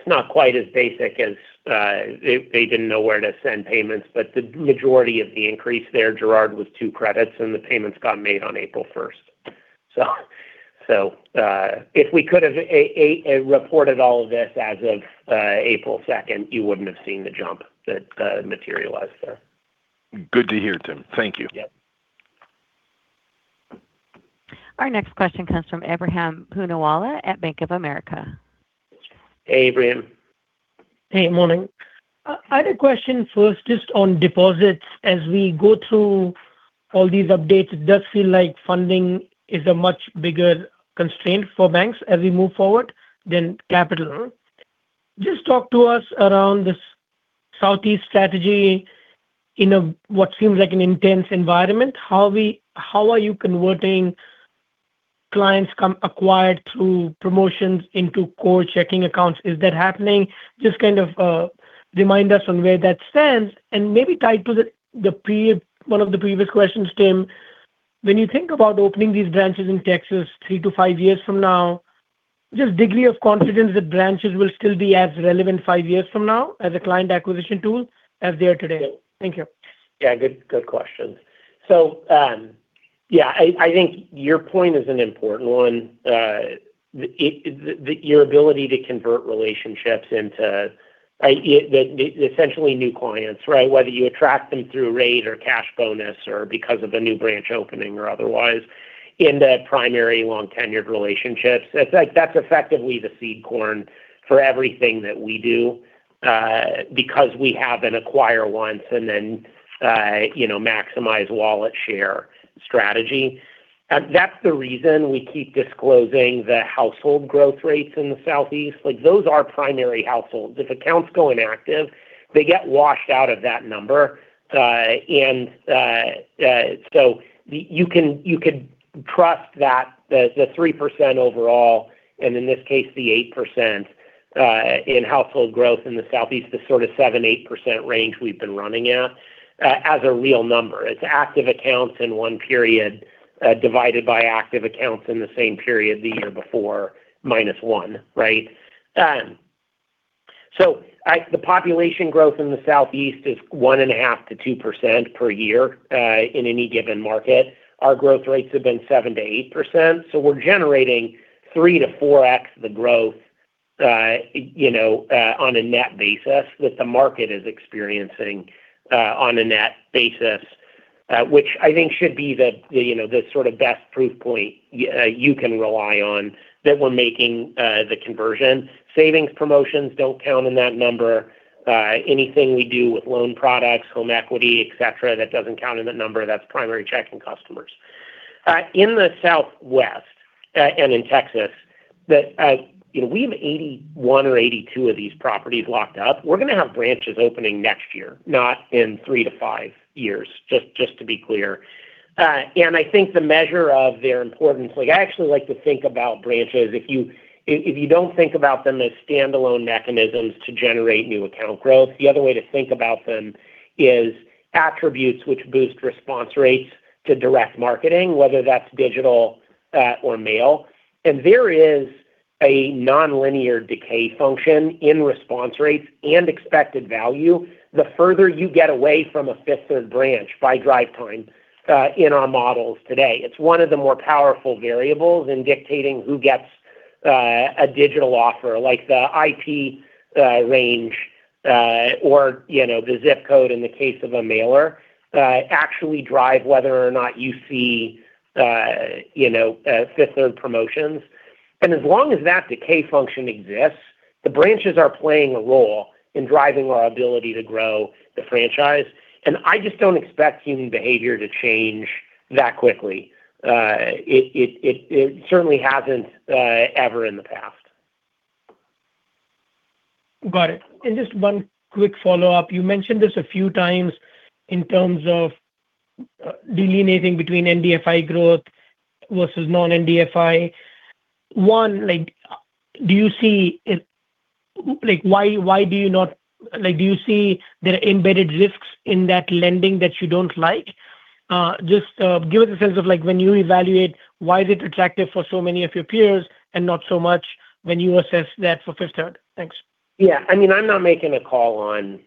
not quite as basic as they didn't know where to send payments, but the majority of the increase there, Gerard, was two credits and the payments got made on April 1st. If we could have reported all of this as of April 2nd, you wouldn't have seen the jump that materialized there. Good to hear, Tim. Thank you. Yep. Our next question comes from Ebrahim Poonawala at Bank of America. Hey, Ebrahim. Hey, morning. I had a question first just on deposits. As we go through all these updates, it does feel like funding is a much bigger constraint for banks as we move forward than capital. Just talk to us around this Southeast strategy in what seems like an intense environment. How are you converting clients acquired through promotions into core checking accounts? Is that happening? Just kind of remind us on where that stands. Maybe tied to one of the previous questions, Tim, when you think about opening these branches in Texas three to five years from now, just degree of confidence that branches will still be as relevant five years from now as a client acquisition tool as they are today. Thank you. Yeah. Good question. Yeah, I think your point is an important one. Your ability to convert relationships into essentially new clients, right? Whether you attract them through rate or cash bonus or because of a new branch opening or otherwise into primary long-tenured relationships, that's effectively the seed corn for everything that we do because we have an acquire once and then maximize wallet share strategy. That's the reason we keep disclosing the household growth rates in the Southeast. Those are primary households. If accounts go inactive, they get washed out of that number. You could trust that the 3% overall, and in this case, the 8% in household growth in the Southeast, the sort of 7%-8% range we've been running at as a real number. It's active accounts in one period divided by active accounts in the same period the year before -1, right? The population growth in the Southeast is 1.5%-2% per year in any given market. Our growth rates have been 7%-8%. We're generating 3x-4x the growth on a net basis that the market is experiencing on a net basis which I think should be the sort of best proof point you can rely on that we're making the conversion. Savings promotions don't count in that number. Anything we do with loan products, home equity, et cetera, that doesn't count in that number. That's primary checking customers. In the Southwest and in Texas, we have 81 or 82 of these properties locked up. We're going to have branches opening next year, not in three to five years, just to be clear. I think the measure of their importance, I actually like to think about branches. If you don't think about them as standalone mechanisms to generate new account growth, the other way to think about them is attributes which boost response rates to direct marketing, whether that's digital or mail. There is a nonlinear decay function in response rates and expected value the further you get away from a Fifth Third branch by drive time in our models today. It's one of the more powerful variables in dictating who gets a digital offer like the IP range or the ZIP code in the case of a mailer actually drive whether or not you see Fifth Third promotions. As long as that decay function exists. The branches are playing a role in driving our ability to grow the franchise, and I just don't expect human behavior to change that quickly. It certainly hasn't ever in the past. Got it. Just one quick follow-up. You mentioned this a few times in terms of delineating between NBFI growth versus non-NBFI. One, do you see there are embedded risks in that lending that you don't like? Just give us a sense of when you evaluate why is it attractive for so many of your peers and not so much when you assess that for Fifth Third. Thanks. Yeah. I'm not making a call on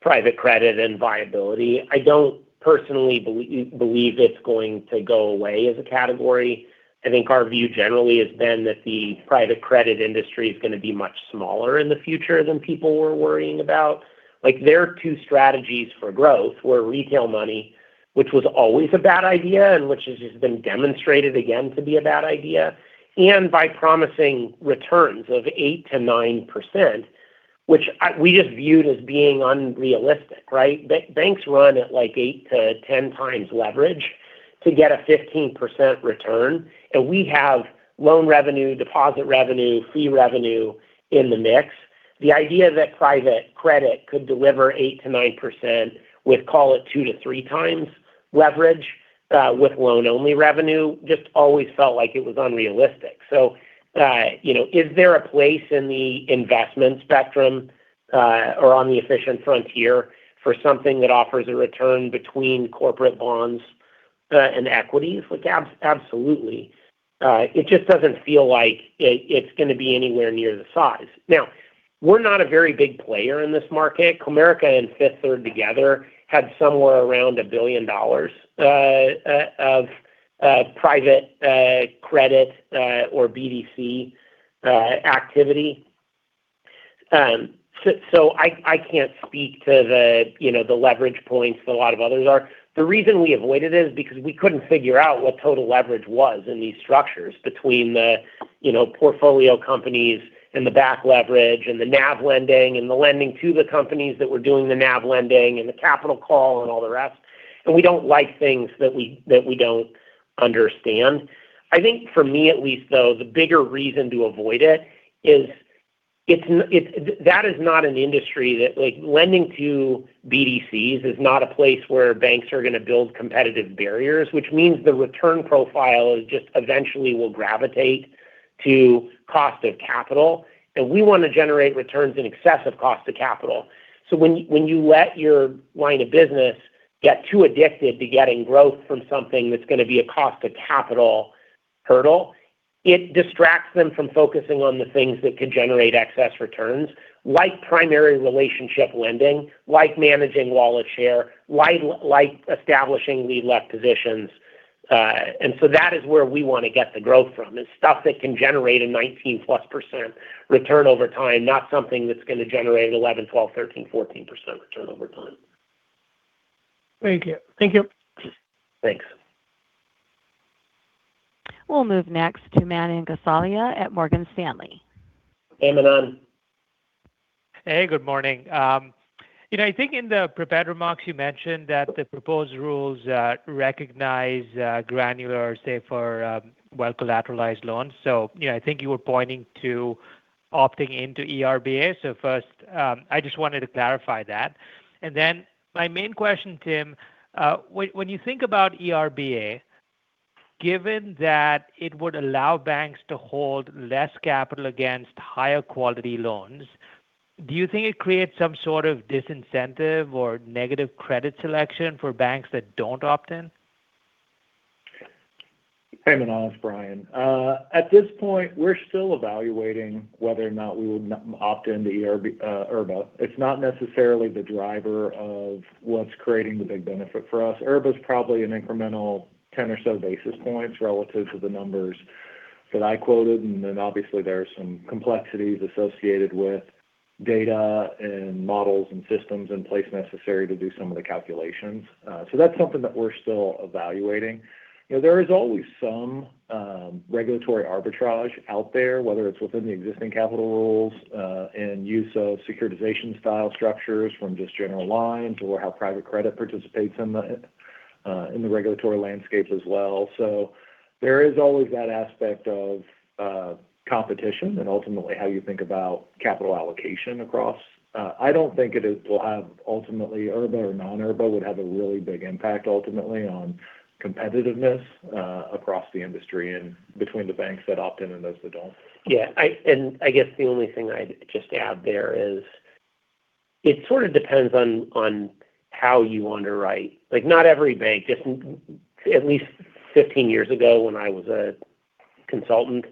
private credit and viability. I don't personally believe it's going to go away as a category. I think our view generally has been that the private credit industry is going to be much smaller in the future than people were worrying about. Their two strategies for growth were retail money, which was always a bad idea, and which has just been demonstrated again to be a bad idea, and by promising returns of 8%-9%, which we just viewed as being unrealistic, right? Banks run at 8x-10x leverage to get a 15% return, and we have loan revenue, deposit revenue, fee revenue in the mix. The idea that private credit could deliver 8%-9% with, call it, 2x-3x leverage with loan-only revenue just always felt like it was unrealistic. Is there a place in the investment spectrum or on the efficient frontier for something that offers a return between corporate bonds and equities? Absolutely. It just doesn't feel like it's going to be anywhere near the size. Now, we're not a very big player in this market. Comerica and Fifth Third together had somewhere around $1 billion of private credit or BDC activity. I can't speak to the leverage points that a lot of others are. The reason we avoided it is because we couldn't figure out what total leverage was in these structures between the portfolio companies, and the back leverage, and the NAV lending, and the lending to the companies that were doing the NAV lending, and the capital call, and all the rest. We don't like things that we don't understand. I think for me at least, though, the bigger reason to avoid it is lending to BDCs is not a place where banks are going to build competitive barriers, which means the return profile just eventually will gravitate to cost of capital. We want to generate returns in excess of cost of capital. When you let your line of business get too addicted to getting growth from something that's going to be a cost of capital hurdle, it distracts them from focusing on the things that could generate excess returns, like primary relationship lending, like managing wallet share, like establishing lead left positions. That is where we want to get the growth from, is stuff that can generate a 19%+ return over time, not something that's going to generate 11%, 12%, 13%, 14% return over time. Thank you. Thanks. We'll move next to Manan Gosalia at Morgan Stanley. Hey, Manan. Hey, good morning. I think in the prepared remarks, you mentioned that the proposed rules recognize granular, say, for well-collateralized loans. I think you were pointing to opting into ERBA. First, I just wanted to clarify that. Then my main question, Tim, when you think about ERBA, given that it would allow banks to hold less capital against higher quality loans, do you think it creates some sort of disincentive or negative credit selection for banks that don't opt in? Hey, Manan, it's Bryan. At this point, we're still evaluating whether or not we would opt into ERBA. It's not necessarily the driver of what's creating the big benefit for us. ERBA's probably an incremental 10 or so basis points relative to the numbers that I quoted, and then obviously there are some complexities associated with data and models and systems in place necessary to do some of the calculations. That's something that we're still evaluating. There is always some regulatory arbitrage out there, whether it's within the existing capital rules, and use of securitization style structures from just general lines or how private credit participates in the regulatory landscape as well. There is always that aspect of competition and ultimately how you think about capital allocation across. I don't think it will have, ultimately, ERBA or non-ERBA would have a really big impact, ultimately, on competitiveness across the industry and between the banks that opt in and those that don't. Yeah, I guess the only thing I'd just add there is it sort of depends on how you underwrite. Not every bank, at least 15 years ago when I was a consultant,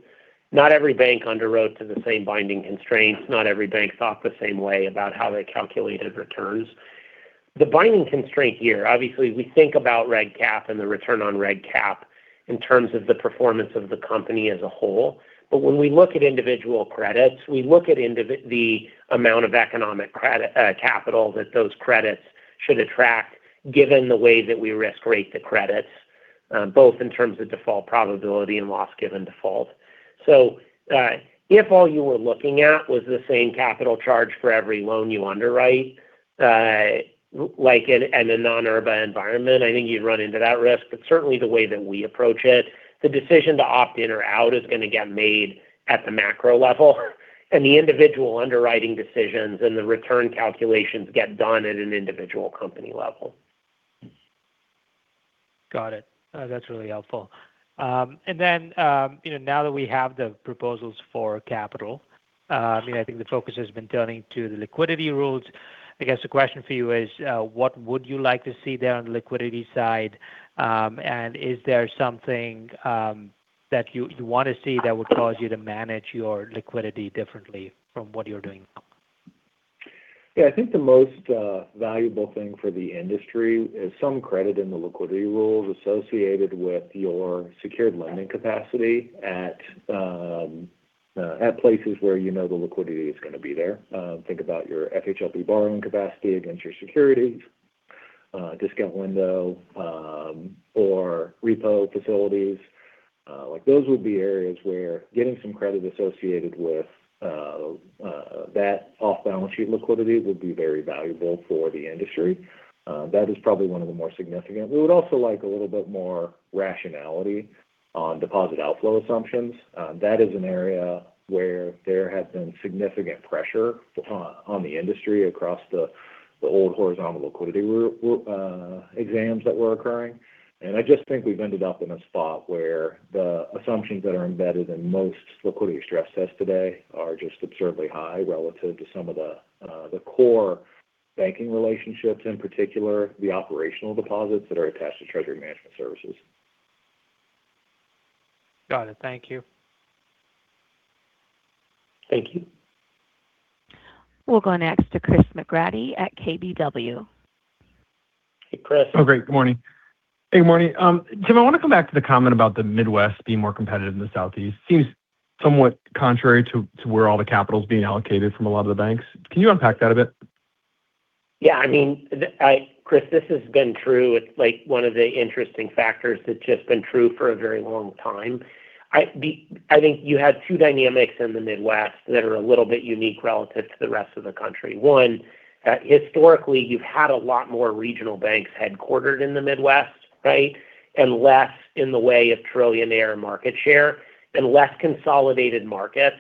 not every bank underwrote to the same binding constraints. Not every bank thought the same way about how they calculated returns. The binding constraint here, obviously, we think about reg cap and the return on reg cap in terms of the performance of the company as a whole. When we look at individual credits, we look at the amount of economic capital that those credits should attract given the way that we risk rate the credits, both in terms of default probability and loss given default. If all you were looking at was the same capital charge for every loan you underwrite, like in a non-ERBA environment, I think you'd run into that risk. Certainly the way that we approach it, the decision to opt in or out is going to get made at the macro level, and the individual underwriting decisions and the return calculations get done at an individual company level. Got it. That's really helpful. Now that we have the proposals for capital, I think the focus has been turning to the liquidity rules. I guess the question for you is what would you like to see there on the liquidity side? Is there something that you want to see that would cause you to manage your liquidity differently from what you're doing now? Yeah, I think the most valuable thing for the industry is some credit in the liquidity rules associated with your secured lending capacity at places where you know the liquidity is going to be there. Think about your FHLB borrowing capacity against your securities, discount window, or repo facilities. Those would be areas where getting some credit associated with that off-balance sheet liquidity would be very valuable for the industry. That is probably one of the more significant. We would also like a little bit more rationality on deposit outflow assumptions. That is an area where there has been significant pressure on the industry across the old horizontal liquidity exams that were occurring. I just think we've ended up in a spot where the assumptions that are embedded in most liquidity stress tests today are just absurdly high relative to some of the core banking relationships, in particular, the operational deposits that are attached to treasury management services. Got it. Thank you. Thank you. We'll go next to Chris McGratty at KBW. Hey, Chris. Oh, great. Good morning. Hey, morning. Tim, I want to come back to the comment about the Midwest being more competitive than the Southeast. Seems somewhat contrary to where all the capital's being allocated from a lot of the banks. Can you unpack that a bit? Yeah. Chris, this has been true. It's one of the interesting factors that's just been true for a very long time. I think you have two dynamics in the Midwest that are a little bit unique relative to the rest of the country. One, historically, you've had a lot more regional banks headquartered in the Midwest, right? And less in the way of trillion-dollar market share, and less consolidated markets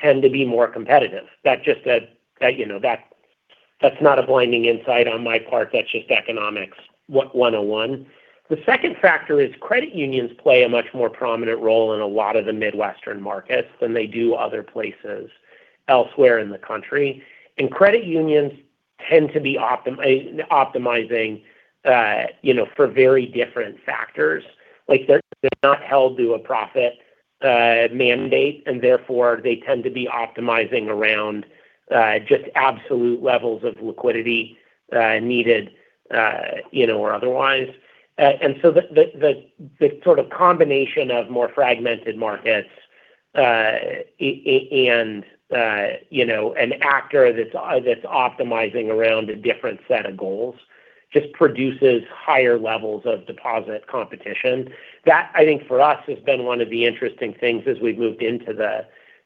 tend to be more competitive. That's not a blinding insight on my part. That's just economics 101. The second factor is credit unions play a much more prominent role in a lot of the Midwestern markets than they do other places elsewhere in the country. Credit unions tend to be optimizing for very different factors. Like they're not held to a profit mandate, and therefore they tend to be optimizing around just absolute levels of liquidity needed or otherwise. The combination of more fragmented markets and an actor that's optimizing around a different set of goals just produces higher levels of deposit competition. That, I think for us, has been one of the interesting things as we've moved into the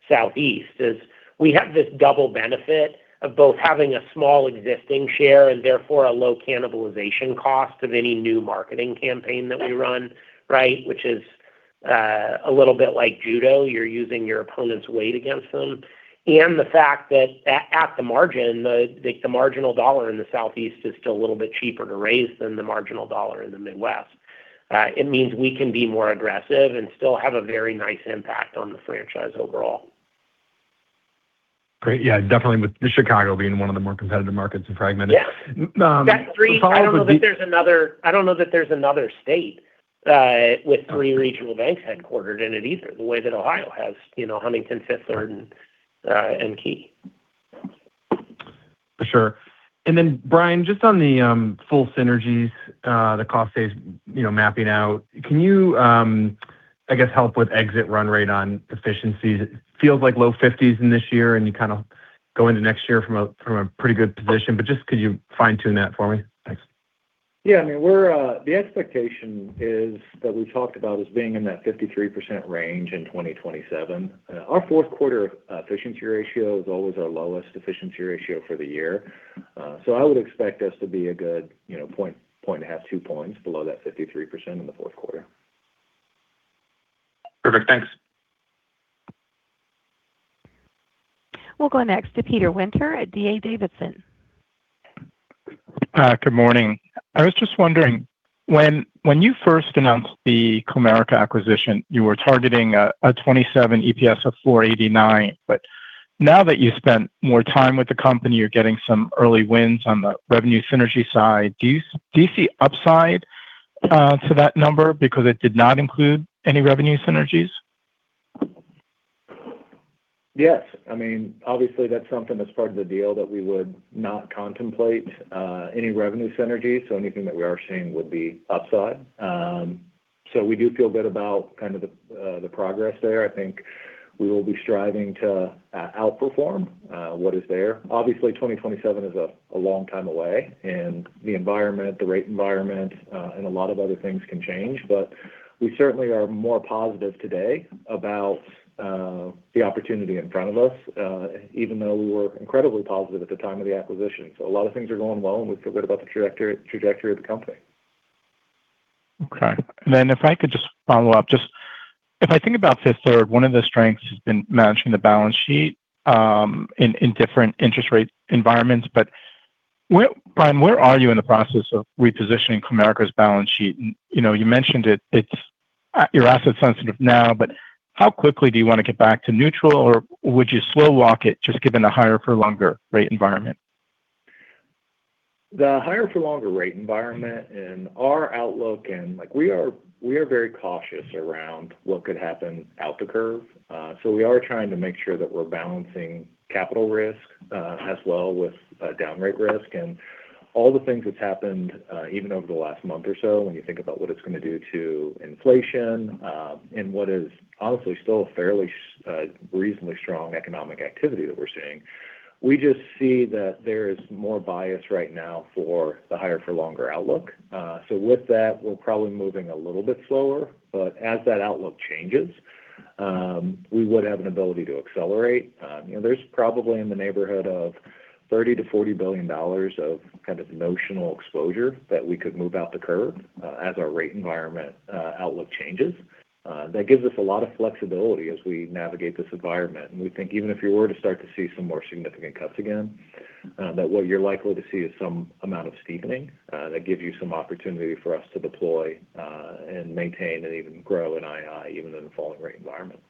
Southeast is we have this double benefit of both having a small existing share and therefore a low cannibalization cost of any new marketing campaign that we run. Right? Which is a little bit like judo. You're using your opponent's weight against them. The fact that at the margin, the marginal dollar in the Southeast is still a little bit cheaper to raise than the marginal dollar in the Midwest. It means we can be more aggressive and still have a very nice impact on the franchise overall. Great. Yeah, definitely with Chicago being one of the more competitive markets and fragmented. Yeah. The follow-up would be. I don't know that there's another state with three regional banks headquartered in it either, the way that Ohio has Huntington, Fifth Third, and Key. For sure. Bryan, just on the full synergies the cost phase mapping out. Can you I guess help with exit run rate on efficiencies? It feels like low 50s in this year, and you kind of go into next year from a pretty good position. Just could you fine tune that for me? Thanks. Yeah. The expectation that we talked about is being in that 53% range in 2027. Our fourth quarter efficiency ratio is always our lowest efficiency ratio for the year. I would expect us to be a good point and a half, 2 points below that 53% in the fourth quarter. Perfect. Thanks. We'll go next to Peter Winter at D.A. Davidson. Good morning. I was just wondering, when you first announced the Comerica acquisition, you were targeting a $0.27 EPS of $4.89. Now that you've spent more time with the company, you're getting some early wins on the revenue synergy side. Do you see upside to that number because it did not include any revenue synergies? Yes. Obviously that's something that's part of the deal that we would not contemplate any revenue synergies, so anything that we are seeing would be upside. We do feel good about the progress there. I think we will be striving to outperform what is there. Obviously, 2027 is a long time away, and the environment, the rate environment, and a lot of other things can change. We certainly are more positive today about the opportunity in front of us, even though we were incredibly positive at the time of the acquisition. A lot of things are going well, and we feel good about the trajectory of the company. Okay. If I could just follow up. If I think about Fifth Third, one of the strengths has been managing the balance sheet in different interest rate environments. Bryan, where are you in the process of repositioning Comerica's balance sheet? You mentioned it, you're asset sensitive now, but how quickly do you want to get back to neutral, or would you slow walk it, just given the higher for longer rate environment? The higher for longer rate environment and our outlook. We are very cautious around what could happen out the curve. We are trying to make sure that we're balancing capital risk as well with down rate risk. All the things that's happened even over the last month or so, when you think about what it's going to do to inflation and what is honestly still a fairly reasonably strong economic activity that we're seeing. We just see that there is more bias right now for the higher for longer outlook. With that, we're probably moving a little bit slower. As that outlook changes, we would have an ability to accelerate. There's probably in the neighborhood of $30 billion-$40 billion of notional exposure that we could move out the curve as our rate environment outlook changes. That gives us a lot of flexibility as we navigate this environment. We think even if you were to start to see some more significant cuts again, that what you're likely to see is some amount of steepening that gives you some opportunity for us to deploy and maintain and even grow in NII, even in a falling rate environment.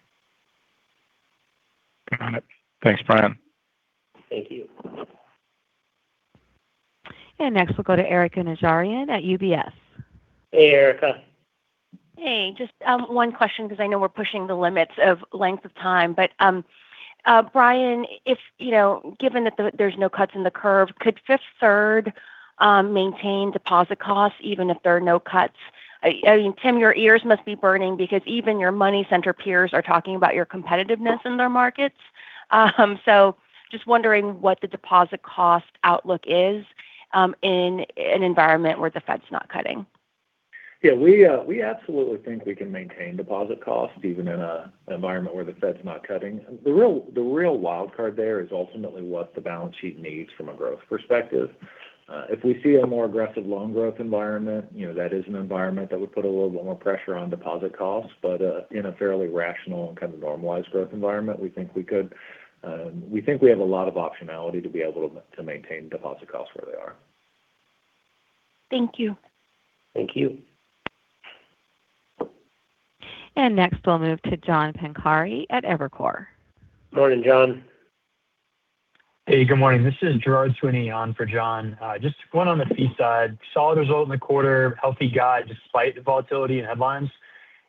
Got it. Thanks, Bryan. Thank you. Next we'll go to Erika Najarian at UBS. Hey, Erika. Hey, just one question because I know we're pushing the limits of length of time. Bryan, given that there's no cuts in the curve, could Fifth Third maintain deposit costs even if there are no cuts? Tim, your ears must be burning because even your money center peers are talking about your competitiveness in their markets. Just wondering what the deposit cost outlook is in an environment where the Fed's not cutting. Yeah, we absolutely think we can maintain deposit costs even in an environment where the Fed's not cutting. The real wild card there is ultimately what the balance sheet needs from a growth perspective. If we see a more aggressive loan growth environment, that is an environment that would put a little bit more pressure on deposit costs. But in a fairly rational and kind of normalized growth environment, we think we have a lot of optionality to be able to maintain deposit costs where they are. Thank you. Thank you. Next we'll move to John Pancari at Evercore. Morning, John. Hey, good morning. This is Girard Sweeney on for John. Just one on the fee side. Solid result in the quarter, healthy guide despite the volatility and headlines.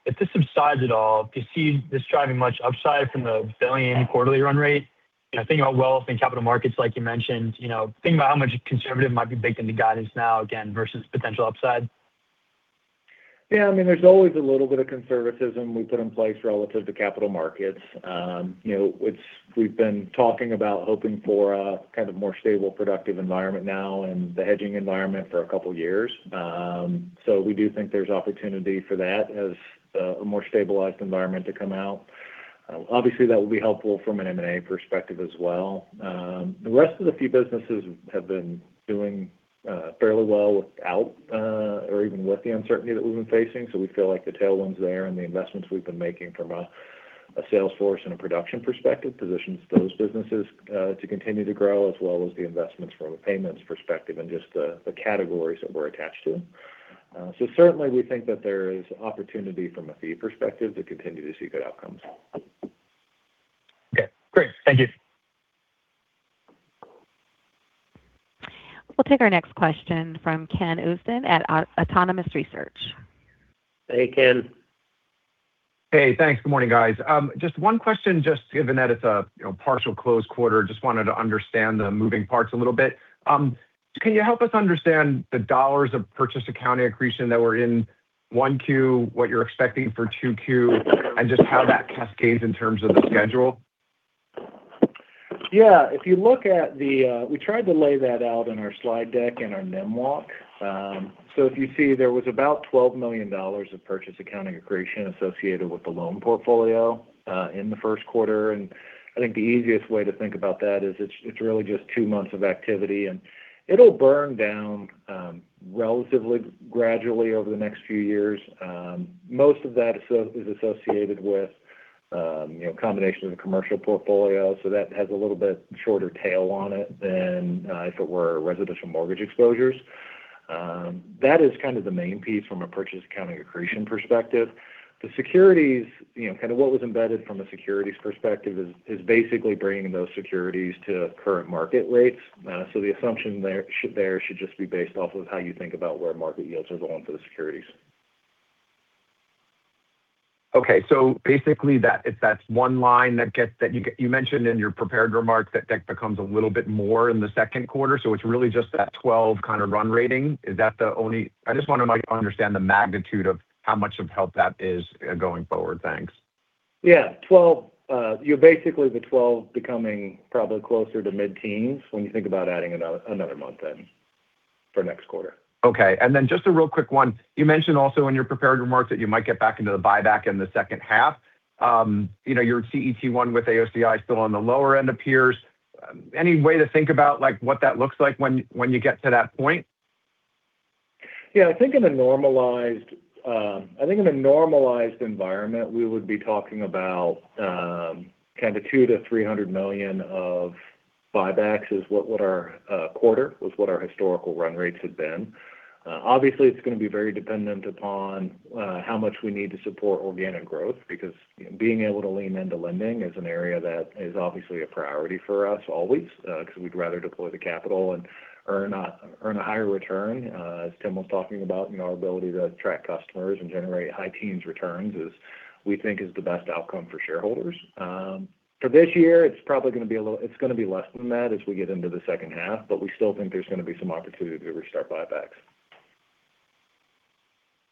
If this subsides at all, do you see this driving much upside from the $1 billion quarterly run rate? Thinking about wealth and capital markets like you mentioned. Thinking about how much conservative might be baked into guidance now again versus potential upside. Yeah, there's always a little bit of conservatism we put in place relative to capital markets. We've been talking about hoping for a kind of more stable, productive environment now in the hedging environment for a couple of years. We do think there's opportunity for that as a more stabilized environment to come out. Obviously, that will be helpful from an M&A perspective as well. The rest of the fee businesses have been doing fairly well without or even with the uncertainty that we've been facing. We feel like the tailwinds there and the investments we've been making from a sales force and a production perspective positions those businesses to continue to grow, as well as the investments from a payments perspective and just the categories that we're attached to. Certainly, we think that there is opportunity from a fee perspective to continue to see good outcomes. Okay, great. Thank you. We'll take our next question from Ken Usdin at Autonomous Research. Hey, Ken. Hey, thanks. Good morning, guys. Just one question, just given that it's a partial close quarter, just wanted to understand the moving parts a little bit. Can you help us understand the dollars of purchase accounting accretion that were in Q1, what you're expecting for Q2, and just how that cascades in terms of the schedule? Yeah. We tried to lay that out in our slide deck and our NIM walk. If you see, there was about $12 million of purchase accounting accretion associated with the loan portfolio in the first quarter. I think the easiest way to think about that is it's really just two months of activity, and it'll burn down relatively gradually over the next few years. Most of that is associated with a combination of the commercial portfolio. That has a little bit shorter tail on it than if it were residential mortgage exposures. That is kind of the main piece from a purchase accounting accretion perspective. The securities, kind of what was embedded from a securities perspective is basically bringing those securities to current market rates. The assumption there should just be based off of how you think about where market yields are going for the securities. Okay. Basically, if that's one line that you mentioned in your prepared remarks, that becomes a little bit more in the second quarter. It's really just that 12 kind of run-rate. I just want to understand the magnitude of how much of help that is going forward. Thanks. Yeah. Basically, the 12% becoming probably closer to mid-teens when you think about adding another month in for next quarter. Okay. Just a real quick one. You mentioned also in your prepared remarks that you might get back into the buyback in the second half. Your CET1 with AOCI still appears on the lower end. Any way to think about like what that looks like when you get to that point? Yeah, I think in a normalized environment, we would be talking about kind of $200 million-$300 million of buybacks was what our historical run rates have been. Obviously, it's going to be very dependent upon how much we need to support organic growth, because being able to lean into lending is an area that is obviously a priority for us always because we'd rather deploy the capital and earn a higher return. As Tim was talking about, our ability to attract customers and generate high teens returns is, we think, the best outcome for shareholders. For this year, it's going to be less than that as we get into the second half, but we still think there's going to be some opportunity to restart buybacks.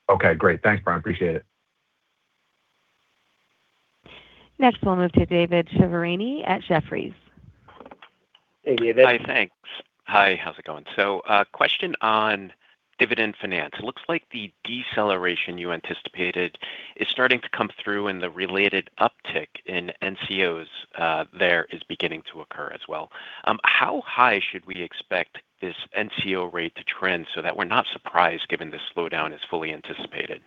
Okay, great. Thanks, Bryan. Appreciate it. Next, we'll move to David Chiaverini at Jefferies. Hey, David. Hi. Thanks. Hi, how's it going? A question on Dividend Finance. It looks like the deceleration you anticipated is starting to come through and the related uptick in NCOs there is beginning to occur as well. How high should we expect this NCO rate to trend so that we're not surprised given the slowdown is fully anticipated?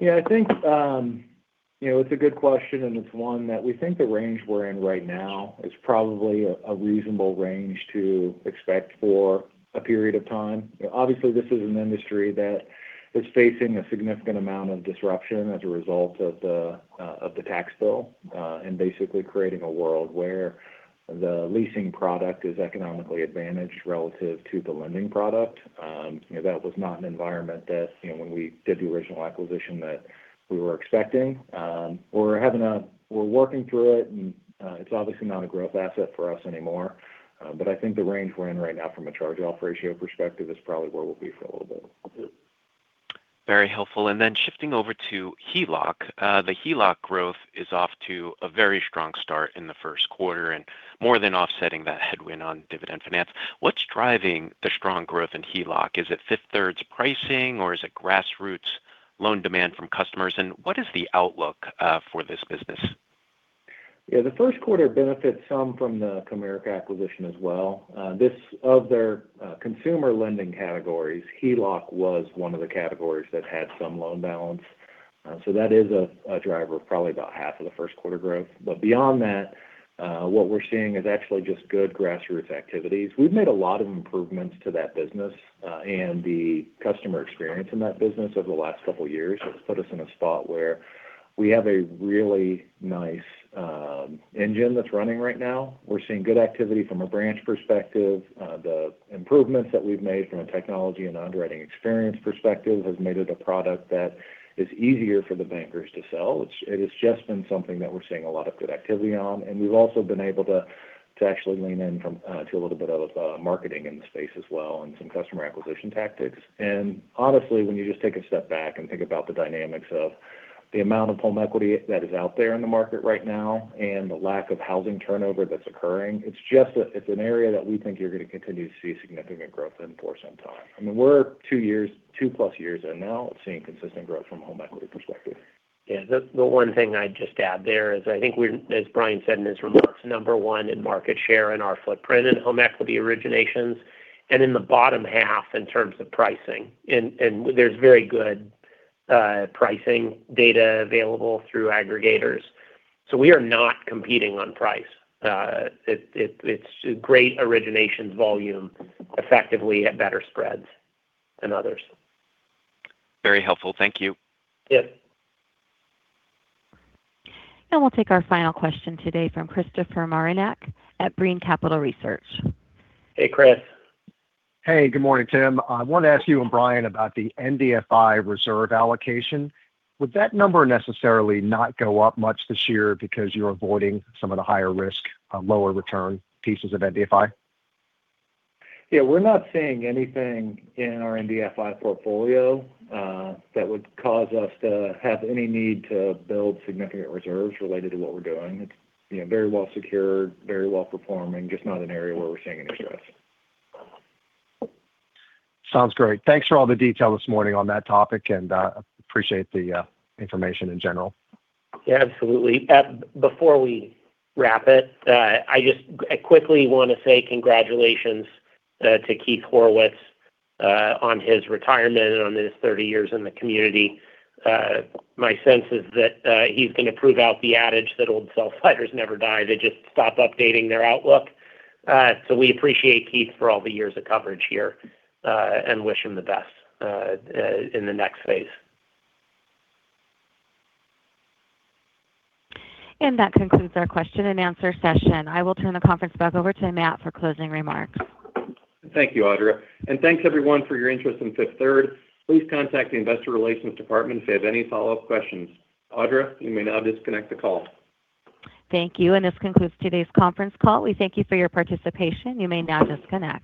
Yeah, I think it's a good question, and it's one that we think the range we're in right now is probably a reasonable range to expect for a period of time. Obviously, this is an industry that is facing a significant amount of disruption as a result of the tax bill, and basically creating a world where the leasing product is economically advantaged relative to the lending product. That was not an environment that when we did the original acquisition, that we were expecting. We're working through it, and it's obviously not a growth asset for us anymore. I think the range we're in right now from a charge-off ratio perspective is probably where we'll be for a little bit. Very helpful. Shifting over to HELOC. The HELOC growth is off to a very strong start in the first quarter and more than offsetting that headwind on Dividend Finance. What's driving the strong growth in HELOC? Is it Fifth Third's pricing or is it grassroots loan demand from customers? What is the outlook for this business? Yeah, the first quarter benefits some from the Comerica acquisition as well. Of their consumer lending categories, HELOC was one of the categories that had some loan balance. That is a driver of probably about half of the first quarter growth. Beyond that, what we're seeing is actually just good grassroots activities. We've made a lot of improvements to that business and the customer experience in that business over the last couple of years. It's put us in a spot where we have a really nice engine that's running right now. We're seeing good activity from a branch perspective. The improvements that we've made from a technology and underwriting experience perspective has made it a product that is easier for the bankers to sell. It has just been something that we're seeing a lot of good activity on, and we've also been able to actually lean in to a little bit of marketing in the space as well and some customer acquisition tactics. Honestly, when you just take a step back and think about the dynamics of the amount of home equity that is out there in the market right now and the lack of housing turnover that's occurring, it's an area that we think you're going to continue to see significant growth in for some time. I mean, we're 2+ years in now of seeing consistent growth from a home equity perspective. Yeah, the one thing I'd just add there is I think we're, as Bryan said in his remarks, number one in market share in our footprint in home equity originations and in the bottom half in terms of pricing. There's very good pricing data available through aggregators. We are not competing on price. It's great originations volume effectively at better spreads than others. Very helpful. Thank you. Yeah. We'll take our final question today from Christopher Marinac at Janney Montgomery Scott. Hey, Chris. Hey, good morning, Tim. I want to ask you and Bryan about the MDFI reserve allocation. Would that number necessarily not go up much this year because you're avoiding some of the higher risk, lower return pieces of MDFI? Yeah, we're not seeing anything in our MDFI portfolio that would cause us to have any need to build significant reserves related to what we're doing. It's very well-secured, very well-performing, just not an area where we're seeing any stress. Sounds great. Thanks for all the detail this morning on that topic, and appreciate the information in general. Yeah, absolutely. Before we wrap it, I just quickly want to say congratulations to Keith Horowitz on his retirement and on his 30 years in the community. My sense is that he's going to prove out the adage that old sell-side never die. They just stop updating their outlook. We appreciate Keith for all the years of coverage here, and wish him the best in the next phase. That concludes our question and answer session. I will turn the conference back over to Matt for closing remarks. Thank you, Audra. Thanks everyone for your interest in Fifth Third. Please contact the Investor Relations department if you have any follow-up questions. Audra, you may now disconnect the call. Thank you, and this concludes today's conference call. We thank you for your participation. You may now disconnect.